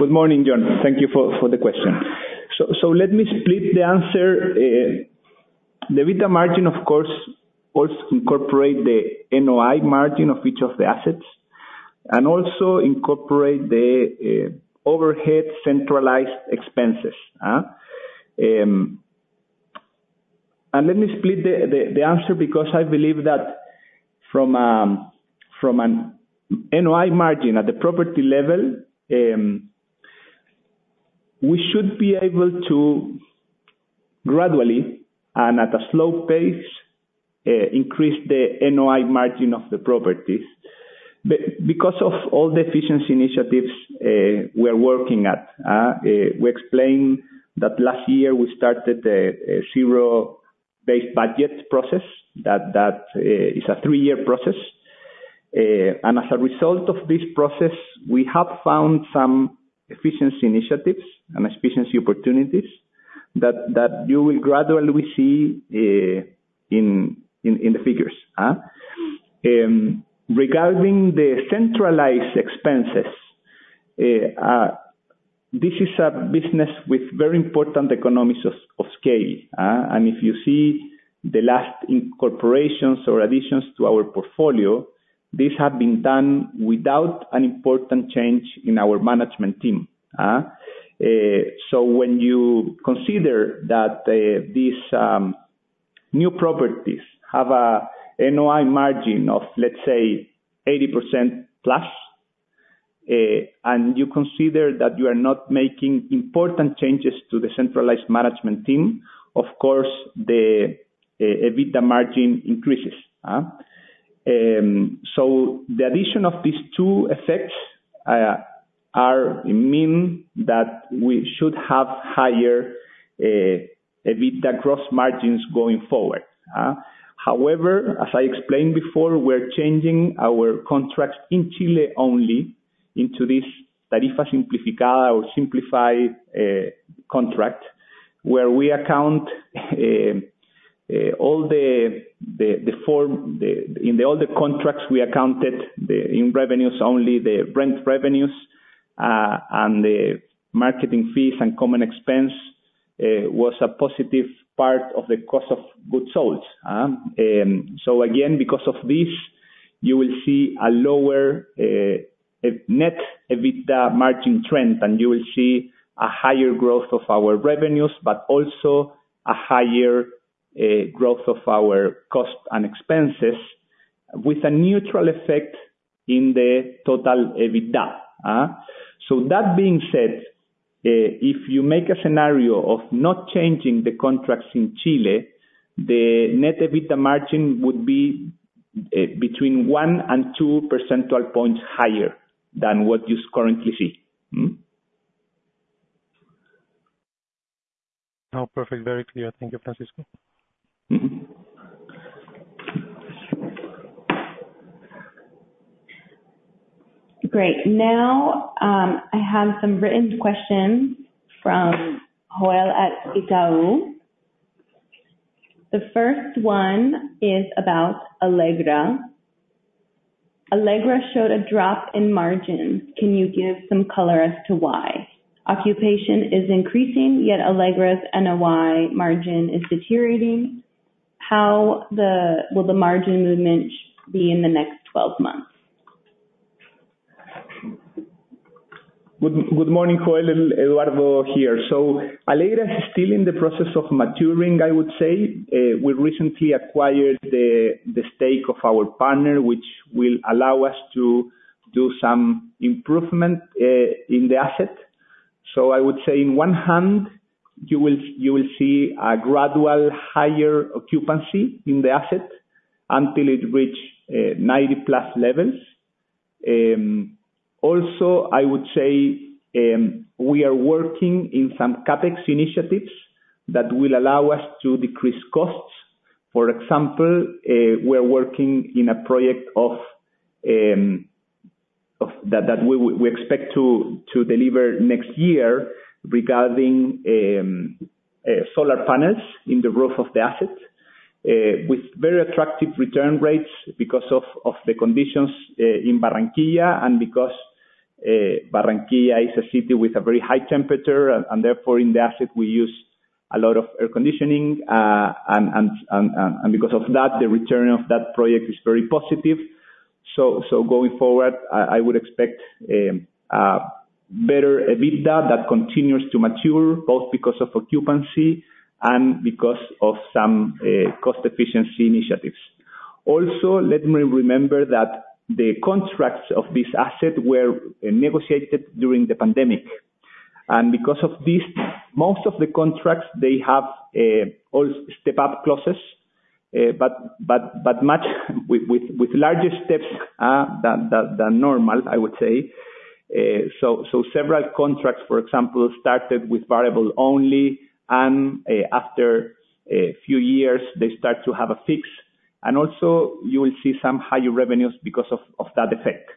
Good morning, John. Thank you for the question. Let me split the answer. The EBITDA margin, of course, also incorporate the NOI margin of each of the assets, and also incorporate the overhead centralized expenses. Let me split the answer because I believe that from an NOI margin at the property level, we should be able to gradually and at a slow pace increase the NOI margin of the properties. Because of all the efficiency initiatives we are working at. We explained that last year we started a zero-based budget process that is a three-year process. As a result of this process, we have found some efficiency initiatives and efficiency opportunities that you will gradually see in the figures. Regarding the centralized expenses, this is a business with very important economies of scale. If you see the last incorporations or additions to our portfolio, these have been done without an important change in our management team. When you consider that, these new properties have a NOI margin of, let's say 80%+, and you consider that you are not making important changes to the centralized management team, of course the EBITDA margin increases. The addition of these two effects means that we should have higher EBITDA gross margins going forward. However, as I explained before, we're changing our contracts in Chile only into this Tarifa Simplificada or simplified contract. In the older contracts, we accounted for the revenues only as rent revenues, and the marketing fees and common expense was a positive part of the cost of goods sold. Because of this, you will see a lower net EBITDA margin trend, and you will see a higher growth of our revenues, but also a higher growth of our costs and expenses with a neutral effect in the total EBITDA. That being said, if you make a scenario of not changing the contracts in Chile, the net EBITDA margin would be between one and two percentage points higher than what you currently see. No. Perfect. Very clear. Thank you, Francisco. Mm-hmm. Great. Now, I have some written questions from Jorel at Itaú. The first one is about Alegra. Alegra showed a drop in margins. Can you give some color as to why? Occupancy is increasing, yet Alegra's NOI margin is deteriorating. How will the margin movement be in the next 12 months? Good morning, Jorel. Eduardo here. Alegra is still in the process of maturing, I would say. We recently acquired the stake of our partner, which will allow us to do some improvement in the asset. I would say on one hand, you will see a gradual higher occupancy in the asset until it reach 90+ levels. Also, I would say, we are working in some CapEx initiatives that will allow us to decrease costs. For example, we're working in a project. That we expect to deliver next year regarding solar panels in the roof of the asset with very attractive return rates because of the conditions in Barranquilla, and because Barranquilla is a city with a very high temperature and therefore in the asset we use a lot of air conditioning. Because of that, the return of that project is very positive. Going forward, I would expect better EBITDA that continues to mature, both because of occupancy and because of some cost efficiency initiatives. Also, let me remember that the contracts of this asset were negotiated during the pandemic. Because of this, most of the contracts they have all step-up clauses, but much with larger steps than normal, I would say. So several contracts, for example, started with variable only, and after a few years, they start to have a fix. Also you will see some higher revenues because of that effect.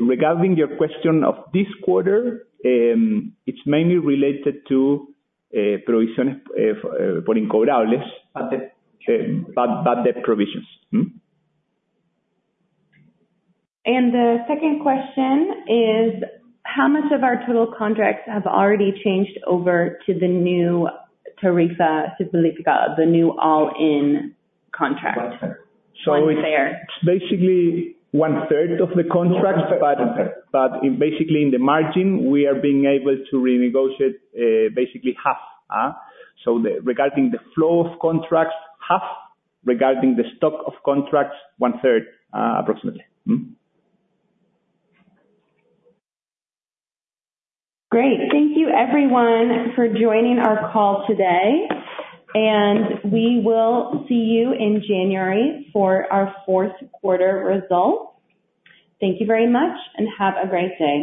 Regarding your question of this quarter, it's mainly related to bad debt provisions. The second question is: How much of our total contracts have already changed over to the new Tarifa Simplificada, the new all-in contract? 1/3. 1/3. It's basically 1/3 of the contracts. 1/3. Basically in the margin, we are being able to renegotiate basically half. Regarding the flow of contracts, half. Regarding the stock of contracts, 1/3 approximately. Great. Thank you everyone for joining our call today, and we will see you in January for our fourth quarter results. Thank you very much and have a great day.